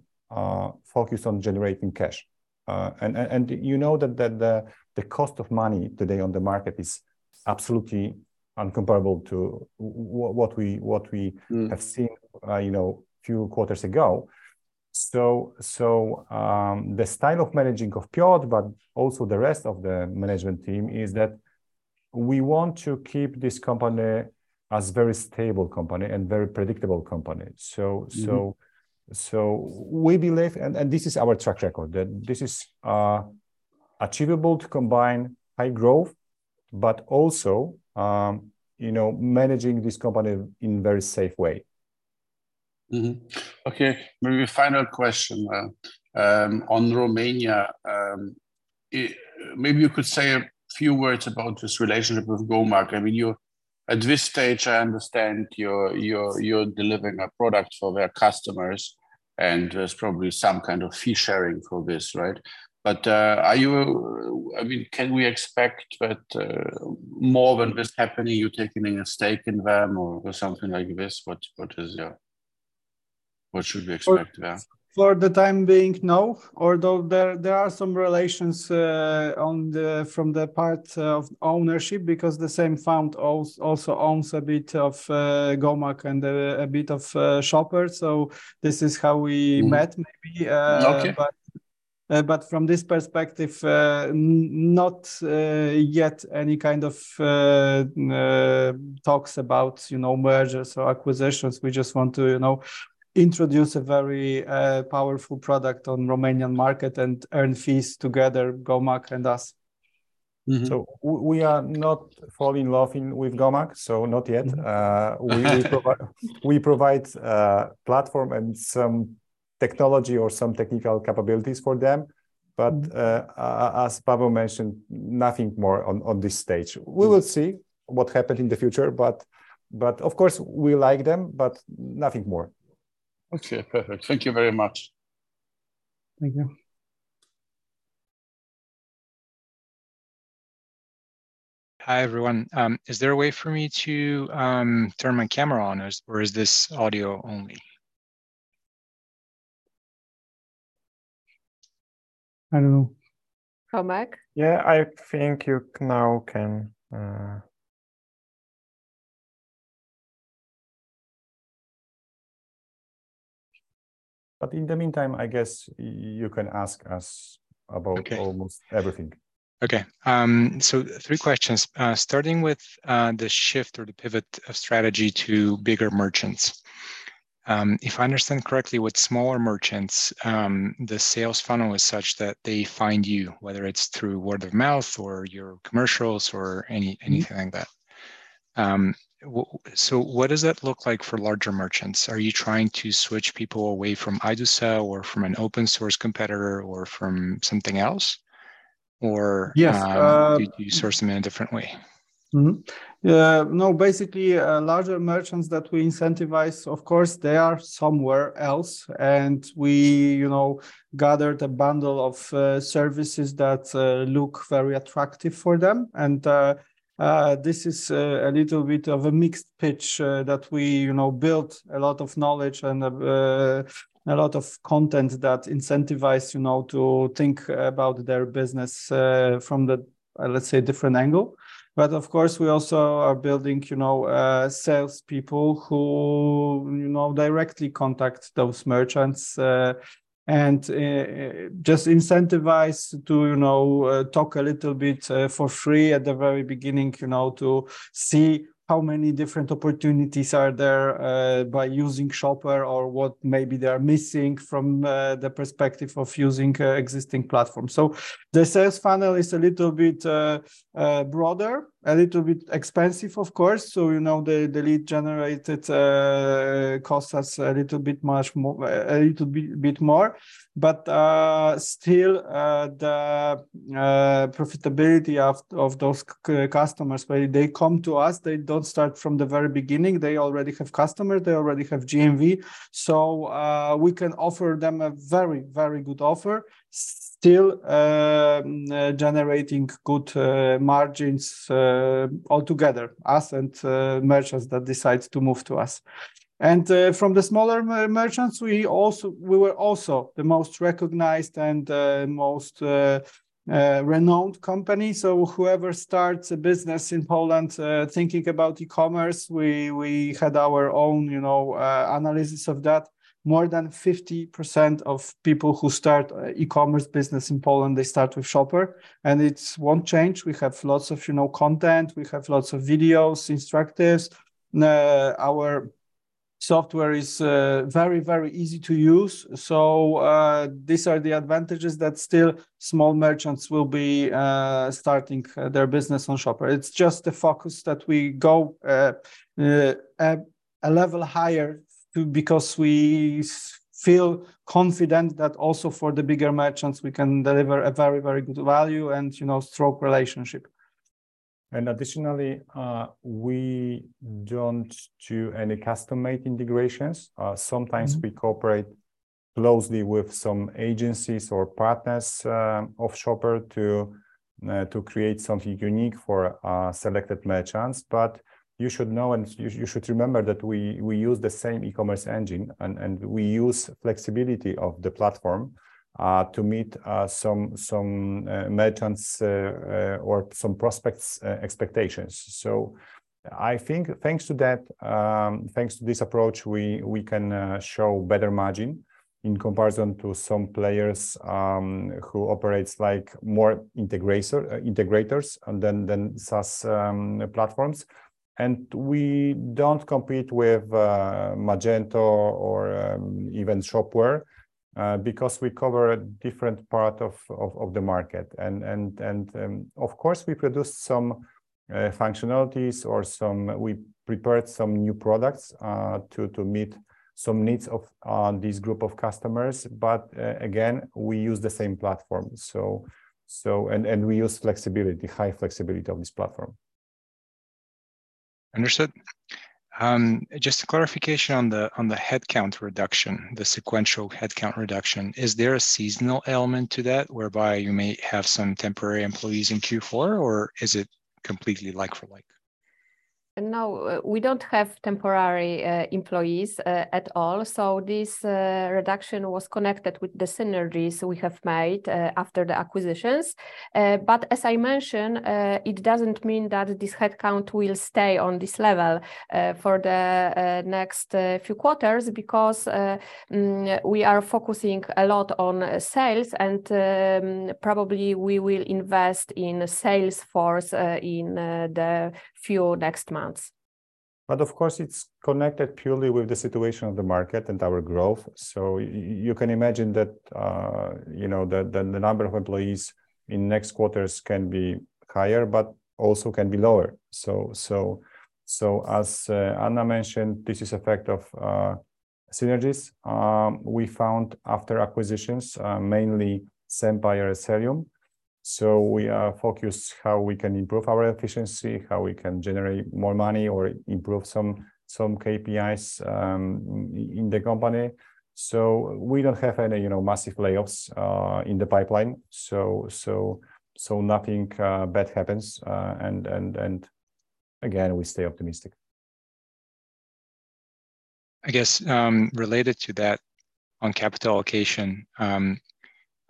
focused on generating cash. You know that the cost of money today on the market is absolutely incomparable to what we. Mm... have seen, you know, few quarters ago. The style of managing of Piotr, but also the rest of the management team, is that we want to keep this company as very stable company and very predictable company. Mm-hmm We believe, and this is our track record, that this is achievable to combine high growth, but also, you know, managing this company in very safe way. Okay, maybe a final question. On Romania, maybe you could say a few words about this relationship with Gomag. I mean, you're at this stage I understand you're delivering a product for their customers, and there's probably some kind of fee sharing for this, right? Are you, I mean, can we expect that more than this happening, you're taking a stake in them or something like this? What should we expect, yeah? For the time being, no. Although there are some relations on the from the part of ownership, because the same fund also owns a bit of Gomag and a bit of Shoper, so this is how we met maybe. Okay From this perspective, not yet any kind of talks about, you know, mergers or acquisitions. We just want to, you know, introduce a very powerful product on Romanian market and earn fees together, Gomag and us. Mm-hmm. We are not fall in love in, with Gomag, not yet. We provide platform and some technology or some technical capabilities for them, but as Paweł mentioned, nothing more on this stage. We will see what happen in the future, but of course we like them, but nothing more. Okay. Perfect. Thank you very much. Thank you. Hi, everyone. Is there a way for me to turn my camera on or is this audio only? I don't know. Gomag? Yeah, I think you now can. In the meantime, I guess you can ask us about. Okay almost everything. Okay. Three questions. Starting with the shift or the pivot of strategy to bigger merchants. If I understand correctly, with smaller merchants, the sales funnel is such that they find you, whether it's through word of mouth or your commercials. Mm-hmm... anything like that. What does that look like for larger merchants? Are you trying to switch people away from IdoSell or from an open source competitor, or from something else? Yes. Do you source them in a different way? No, basically, larger merchants that we incentivize, of course, they are somewhere else and we gathered a bundle of services that look very attractive for them. This is a little bit of a mixed pitch that we built a lot of knowledge and a lot of content that incentivize to think about their business from the, let's say, different angle. Of course, we also are building salespeople who directly contact those merchants and just incentivize to talk a little bit for free at the very beginning to see how many different opportunities are there by using Shoper or what maybe they are missing from the perspective of using existing platforms. The sales funnel is a little bit broader, a little bit expensive of course, you know, the lead generated costs us a little bit more. Still, the profitability of those customers, when they come to us they don't start from the very beginning. They already have customers, they already have GMV, we can offer them a very, very good offer, still, generating good margins altogether, us and merchants that decides to move to us. From the smaller merchants, we also, we were also the most recognized and most renowned company, whoever starts a business in Poland, thinking about e-commerce, we had our own, you know, analysis of that. More than 50% of people who start a e-commerce business in Poland, they start with Shoper, it won't change. We have lots of, you know, content. We have lots of videos, instructors. Our software is very easy to use. These are the advantages that still small merchants will be starting their business on Shoper. It's just the focus that we go a level higher because we feel confident that also for the bigger merchants we can deliver a very good value and, you know, strong relationship. Additionally, we don't do any custom-made integrations. Mm-hmm... we cooperate closely with some agencies or partners of Shoper to create something unique for selected merchants. You should know, and you should remember that we use the same e-commerce engine and we use flexibility of the platform to meet some merchants' or some prospects' expectations. I think thanks to that, thanks to this approach, we can show better margin in comparison to some players who operate like more integrators than SaaS platforms. We don't compete with Magento or even Shopware because we cover a different part of the market. Of course, we produce some functionalities or some We prepared some new products to meet some needs of this group of customers, but again, we use the same platform. We use flexibility, high flexibility of this platform. Understood. Just a clarification on the, on the headcount reduction, the sequential headcount reduction. Is there a seasonal element to that whereby you may have some temporary employees in Q4, or is it completely like for like? We don't have temporary employees at all. This reduction was connected with the synergies we have made after the acquisitions. As I mentioned, it doesn't mean that this headcount will stay on this level for the next few quarters because we are focusing a lot on sales and probably we will invest in sales force in the few next months. Of course, it's connected purely with the situation of the market and our growth. You can imagine that, you know, the number of employees in next quarters can be higher, but also can be lower. So as Anna mentioned, this is effect of synergies we found after acquisitions, mainly SEMPIRE, Selium. We are focused how we can improve our efficiency, how we can generate more money or improve some KPIs in the company. We don't have any, you know, massive layoffs in the pipeline, so nothing bad happens. And again, we stay optimistic. I guess, related to that, on capital allocation,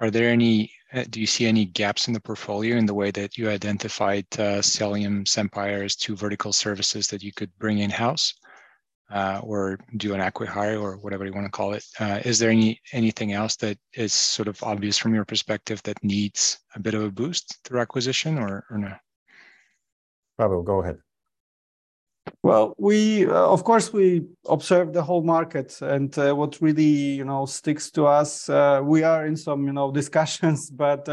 are there any, do you see any gaps in the portfolio in the way that you identified, Selium, SEMPIRE as two vertical services that you could bring in-house, or do an acqui-hire or whatever you wanna call it? Is there anything else that is sort of obvious from your perspective that needs a bit of a boost through acquisition or no? Paweł, go ahead. Well, we, of course, we observe the whole market and what really, you know, sticks to us, we are in some, you know, discussions, but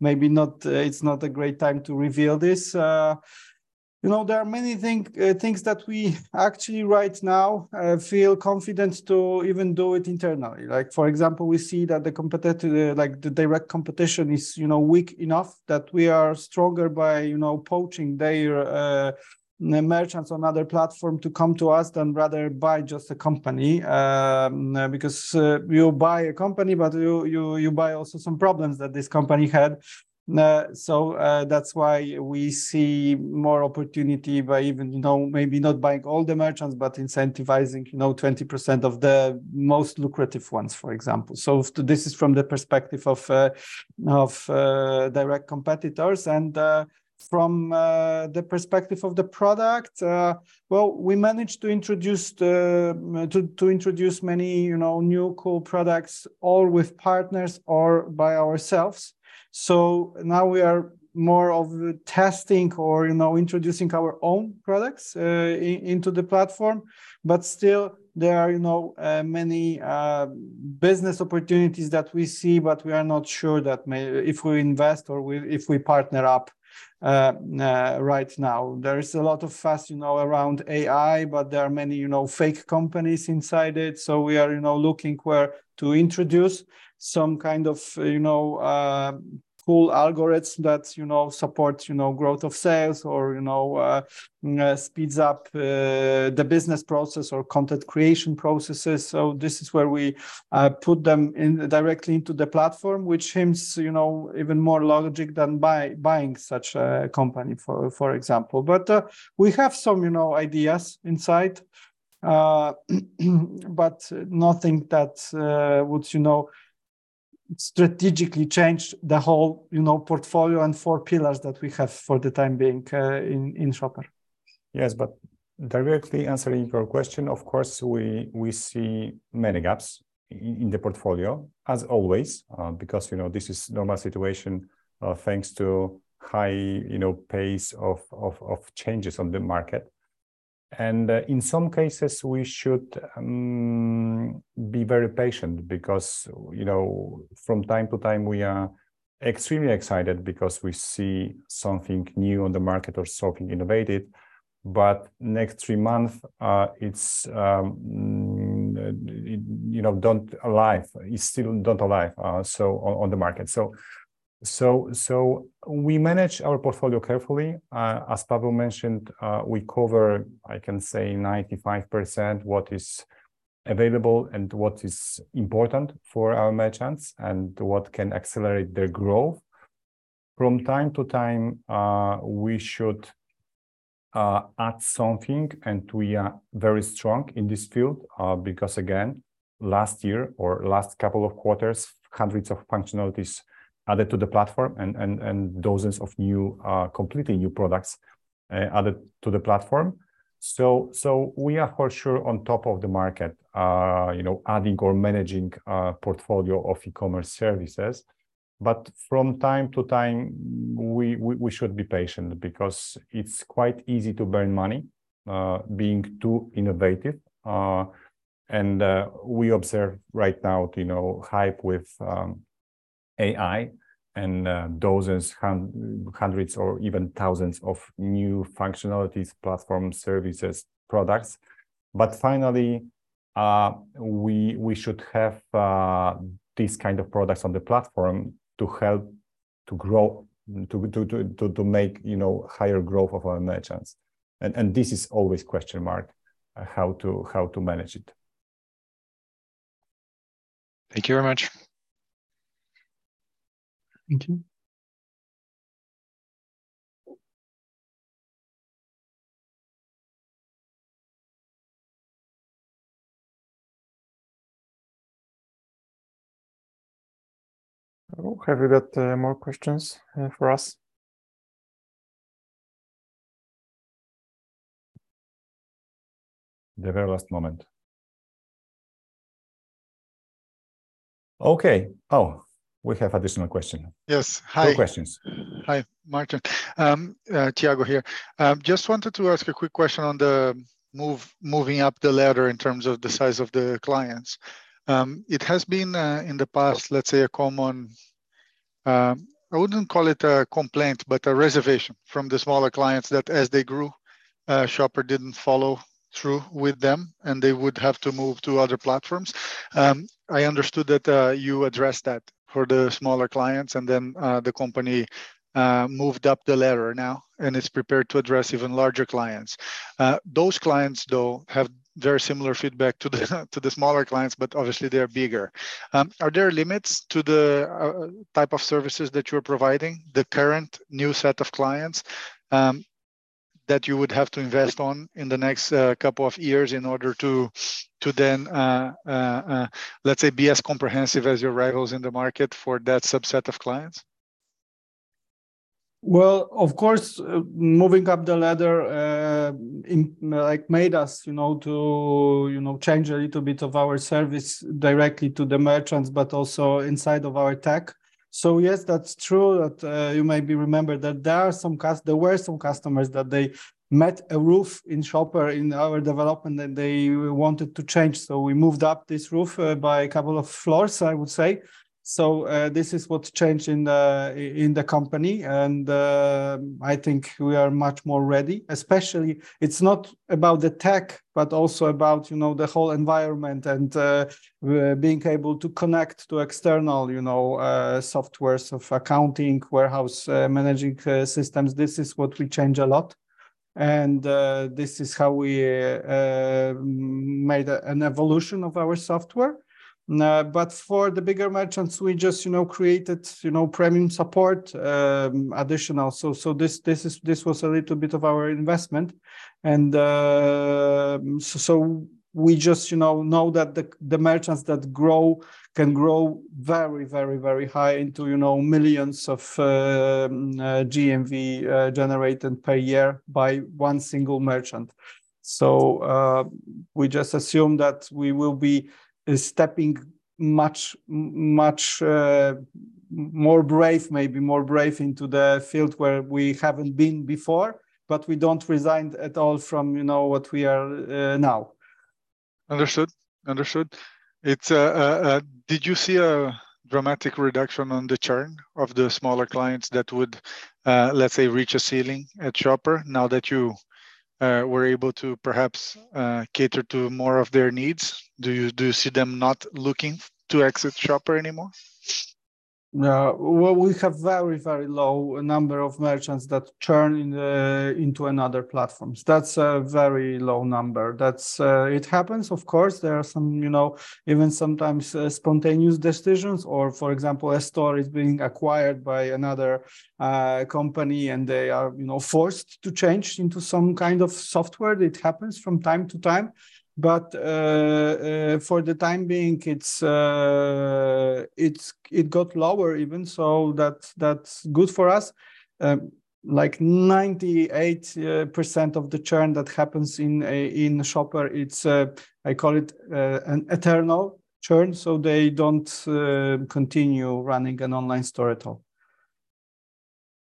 maybe not, it's not a great time to reveal this. You know, there are many things that we actually right now feel confident to even do it internally. Like, for example, we see that the direct competition is, you know, weak enough that we are stronger by, you know, poaching their merchants on other platform to come to us than rather buy just a company. Because, you buy a company, but you, you buy also some problems that this company had. That's why we see more opportunity by even, you know, maybe not buying all the merchants, but incentivizing, you know, 20% of the most lucrative ones, for example. This is from the perspective of direct competitors. From the perspective of the product, we managed to introduce many, you know, new cool products, all with partners or by ourselves. Now we are more of testing or, you know, introducing our own products into the platform. Still there are many business opportunities that we see, but we are not sure if we invest or if we partner up right now. There is a lot of fuss, you know, around AI, but there are many, you know, fake companies inside it. We are, you know, looking where to introduce some kind of, you know, cool algorithms that, you know, supports, you know, growth of sales or, you know, speeds up the business process or content creation processes. This is where we put them in, directly into the platform, which seems, you know, even more logic than buying such a company, for example. We have some, you know, ideas inside. Nothing that would, you know, strategically change the whole, you know, portfolio and four pillars that we have for the time being in Shoper. Yes, but directly answering your question, of course, we see many gaps in the portfolio as always, because, you know, this is normal situation, thanks to high, you know, pace of changes on the market. In some cases, we should be very patient because, you know, from time to time, we are extremely excited because we see something new on the market or something innovative. Next three month, it's You know, don't alive, it's still don't alive, so on the market. We manage our portfolio carefully. As Paweł mentioned, we cover, I can say, 95% what is available and what is important for our merchants and what can accelerate their growth. From time to time, we should add something. We are very strong in this field, because again, last year or last couple of quarters, hundreds of functionalities added to the platform and dozens of new, completely new products added to the platform. We are for sure on top of the market, you know, adding or managing a portfolio of e-commerce services. From time to time, we should be patient because it is quite easy to burn money, being too innovative. We observe right now, you know, hype with AI and dozens, hundreds or even thousands of new functionalities, platform services products. Finally, we should have, these kind of products on the platform to help to grow, to make, you know, higher growth of our merchants. This is always question mark, how to manage it. Thank you very much. Thank you. Oh, have you got more questions for us? The very last moment. Okay. Oh, we have additional question. Yes. Hi. More questions. Hi. Marcin. Thiago here. Just wanted to ask a quick question on the move, moving up the ladder in terms of the size of the clients. It has been in the past, let's say, a common, I wouldn't call it a complaint, but a reservation from the smaller clients that as they grew, Shoper didn't follow through with them, and they would have to move to other platforms. I understood that you addressed that for the smaller clients, and then the company moved up the ladder now and is prepared to address even larger clients. Those clients, though, have very similar feedback to the, to the smaller clients, but obviously they're bigger. Are there limits to the type of services that you're providing the current new set of clients that you would have to invest on in the next couple of years in order to then, let's say, be as comprehensive as your rivals in the market for that subset of clients? Well, of course, moving up the ladder, like, made us, you know, to, you know, change a little bit of our service directly to the merchants, but also inside of our tech. Yes, that's true that you maybe remember that there were some customers that they met a roof in Shoper in our development that they wanted to change. We moved up this roof by a couple of floors, I would say. This is what changed in the, in the company, and I think we are much more ready, especially it's not about the tech, but also about, you know, the whole environment and being able to connect to external, you know, softwares of accounting, warehouse, managing systems. This is what we change a lot, and this is how we made an evolution of our software. For the bigger merchants, we just, you know, created, you know, premium support, additional. This was a little bit of our investment and we just, you know that the merchants that grow can grow very, very, very high into, you know, millions of PLN GMV generated per year by one single merchant. We just assume that we will be stepping much, more brave, maybe more brave into the field where we haven't been before, but we don't resign at all from, you know, what we are now. Understood. Understood. It's, did you see a dramatic reduction on the churn of the smaller clients that would, let's say, reach a ceiling at Shoper now that you were able to perhaps cater to more of their needs? Do you see them not looking to exit Shoper anymore? Well, we have very, very low number of merchants that churn in the, into another platforms. That's a very low number. That's, it happens of course. There are some, you know, even sometimes, spontaneous decisions or, for example, a store is being acquired by another, company, and they are, you know, forced to change into some kind of software. It happens from time to time. For the time being, it got lower even, so that's good for us. Like 98% of the churn that happens in a, in Shoper, it's, I call it, an eternal churn, so they don't continue running an online store at all.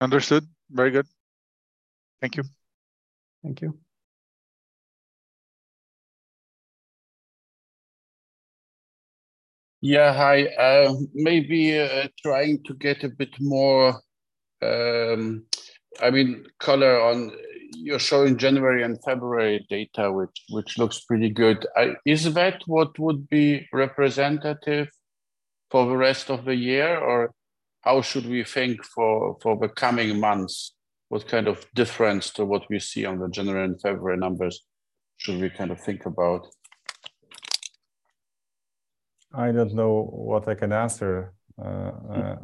Understood. Very good. Thank you. Thank you. Yeah. Hi. Maybe, trying to get a bit more, I mean, color on. You're showing January and February data, which looks pretty good. Is that what would be representative for the rest of the year, or how should we think for the coming months? What kind of difference to what we see on the January and February numbers should we kind of think about? I don't know what I can answer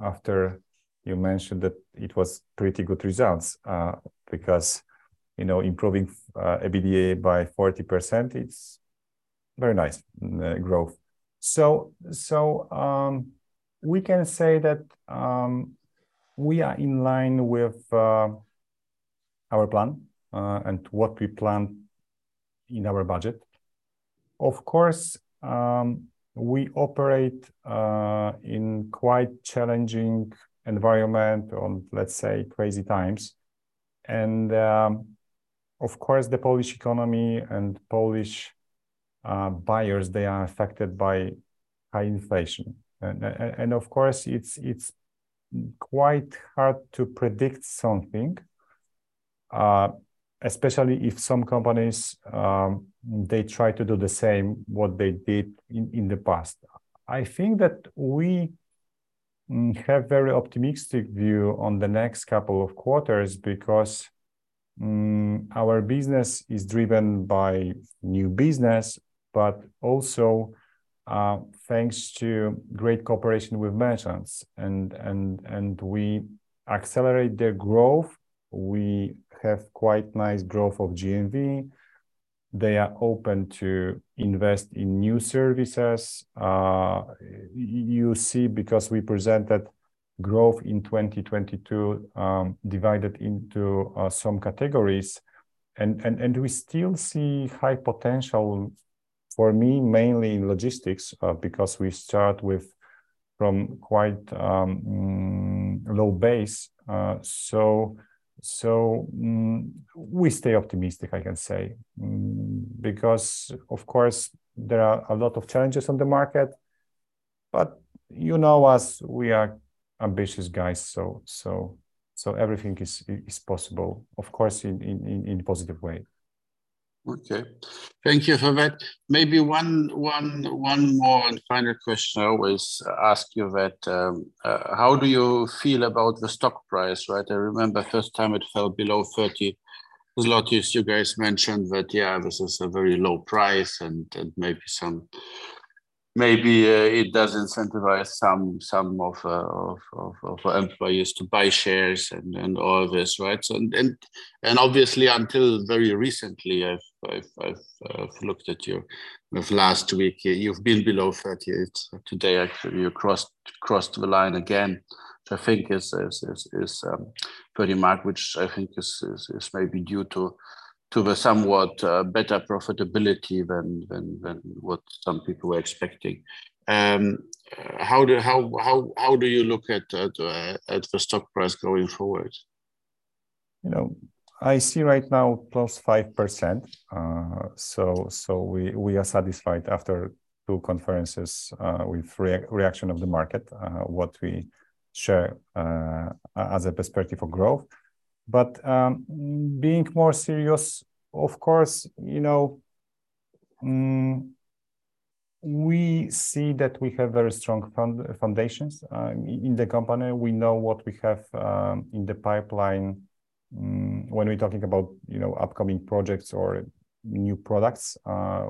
after you mentioned that it was pretty good results. You know, improving EBITDA by 40%, it's very nice growth. We can say that we are in line with our plan and what we planned in our budget. Of course, we operate in quite challenging environment, or let's say crazy times, and of course, the Polish economy and Polish buyers, they are affected by high inflation. Of course, it's quite hard to predict something, especially if some companies they try to do the same what they did in the past. I think that we have very optimistic view on the next couple of quarters because our business is driven by new business, but also thanks to great cooperation with merchants and we accelerate their growth. We have quite nice growth of GMV. They are open to invest in new services. You see because we presented growth in 2022 divided into some categories. We still see high potential, for me, mainly in logistics because we start with from quite low base. We stay optimistic, I can say, because, of course, there are a lot of challenges on the market, but you know us, we are ambitious guys, everything is possible, of course, in positive way. Okay. Thank you for that. Maybe one more and final question I always ask you that, how do you feel about the stock price, right? I remember first time it fell below 30, there's a lot you guys mentioned that, yeah, this is a very low price and maybe some, maybe, it does incentivize some of employees to buy shares and all this, right? And obviously until very recently I've looked at you. The last week, you've been below 30. Today actually you crossed the line again, which I think is pretty much which I think is maybe due to the somewhat better profitability than what some people were expecting. How do you look at the stock price going forward? You know, I see right now plus 5%. We are satisfied after two conferences, with reaction of the market, what we share as a perspective for growth. Being more serious, of course, you know, we see that we have very strong foundations in the company. We know what we have in the pipeline, when we're talking about, you know, upcoming projects or new products,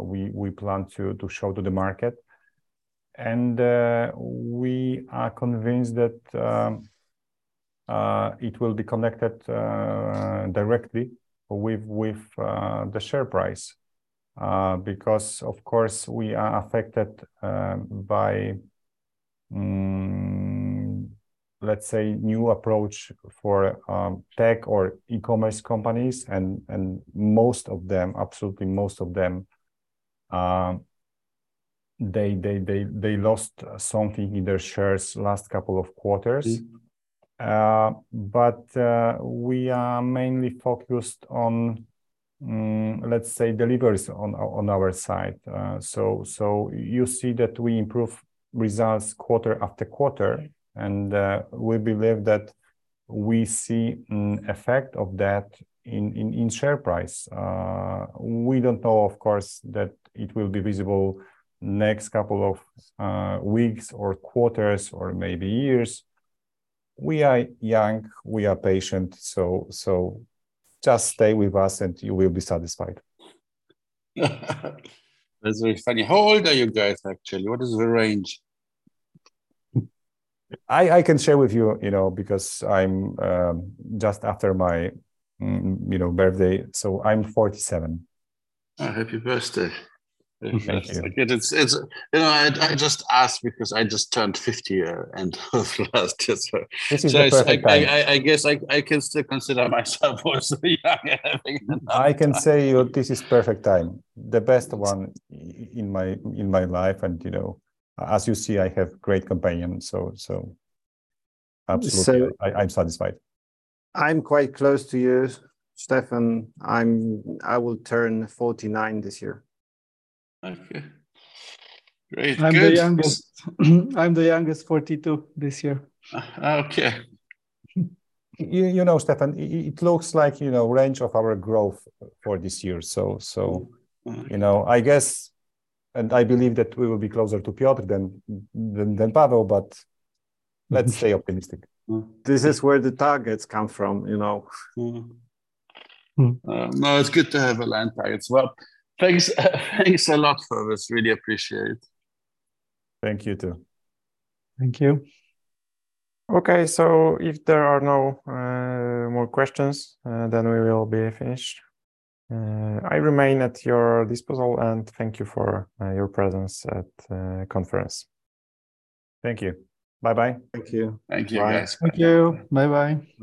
we plan to show to the market. We are convinced that it will be connected directly with the share price. Because of course we are affected by, let's say new approach for tech or e-commerce companies, and most of them, absolutely most of them, they lost something in their shares last couple of quarters. Mm. We are mainly focused on, let's say deliveries on our side. You see that we improve results quarter after quarter, and we believe that we see effect of that in share price. We don't know, of course, that it will be visible next couple of weeks or quarters or maybe years. We are young, we are patient, just stay with us and you will be satisfied. That's very funny. How old are you guys actually? What is the range? I can share with you know, because I'm just after my, you know, birthday, so I'm 47. Oh, happy birthday. Thank you. It's You know, I just ask because I just turned 50, end of last year. This is the perfect time. I guess I can still consider myself also young, I think. I can say you this is perfect time, the best one in my, in my life, and, you know, as you see, I have great companions. So, absolutely-. So- I'm satisfied.... I'm quite close to you, Stefan. I will turn 49 this year. Okay. Great. Good. I'm the youngest. I'm the youngest, 42 this year. Okay. You, you know, Stefan, it looks like, you know, range of our growth for this year. Mm you know, I guess, and I believe that we will be closer to Piotr than Paweł, but let's stay optimistic. This is where the targets come from, you know? Mm. Mm. No, it's good to have a lander as well. Thanks. Thanks a lot for this, really appreciate. Thank you too. Thank you. Okay. If there are no more questions, we will be finished. I remain at your disposal, and thank you for your presence at conference. Thank you. Bye-bye. Thank you. Thank you. Bye. Thanks. Thank you. Bye-bye.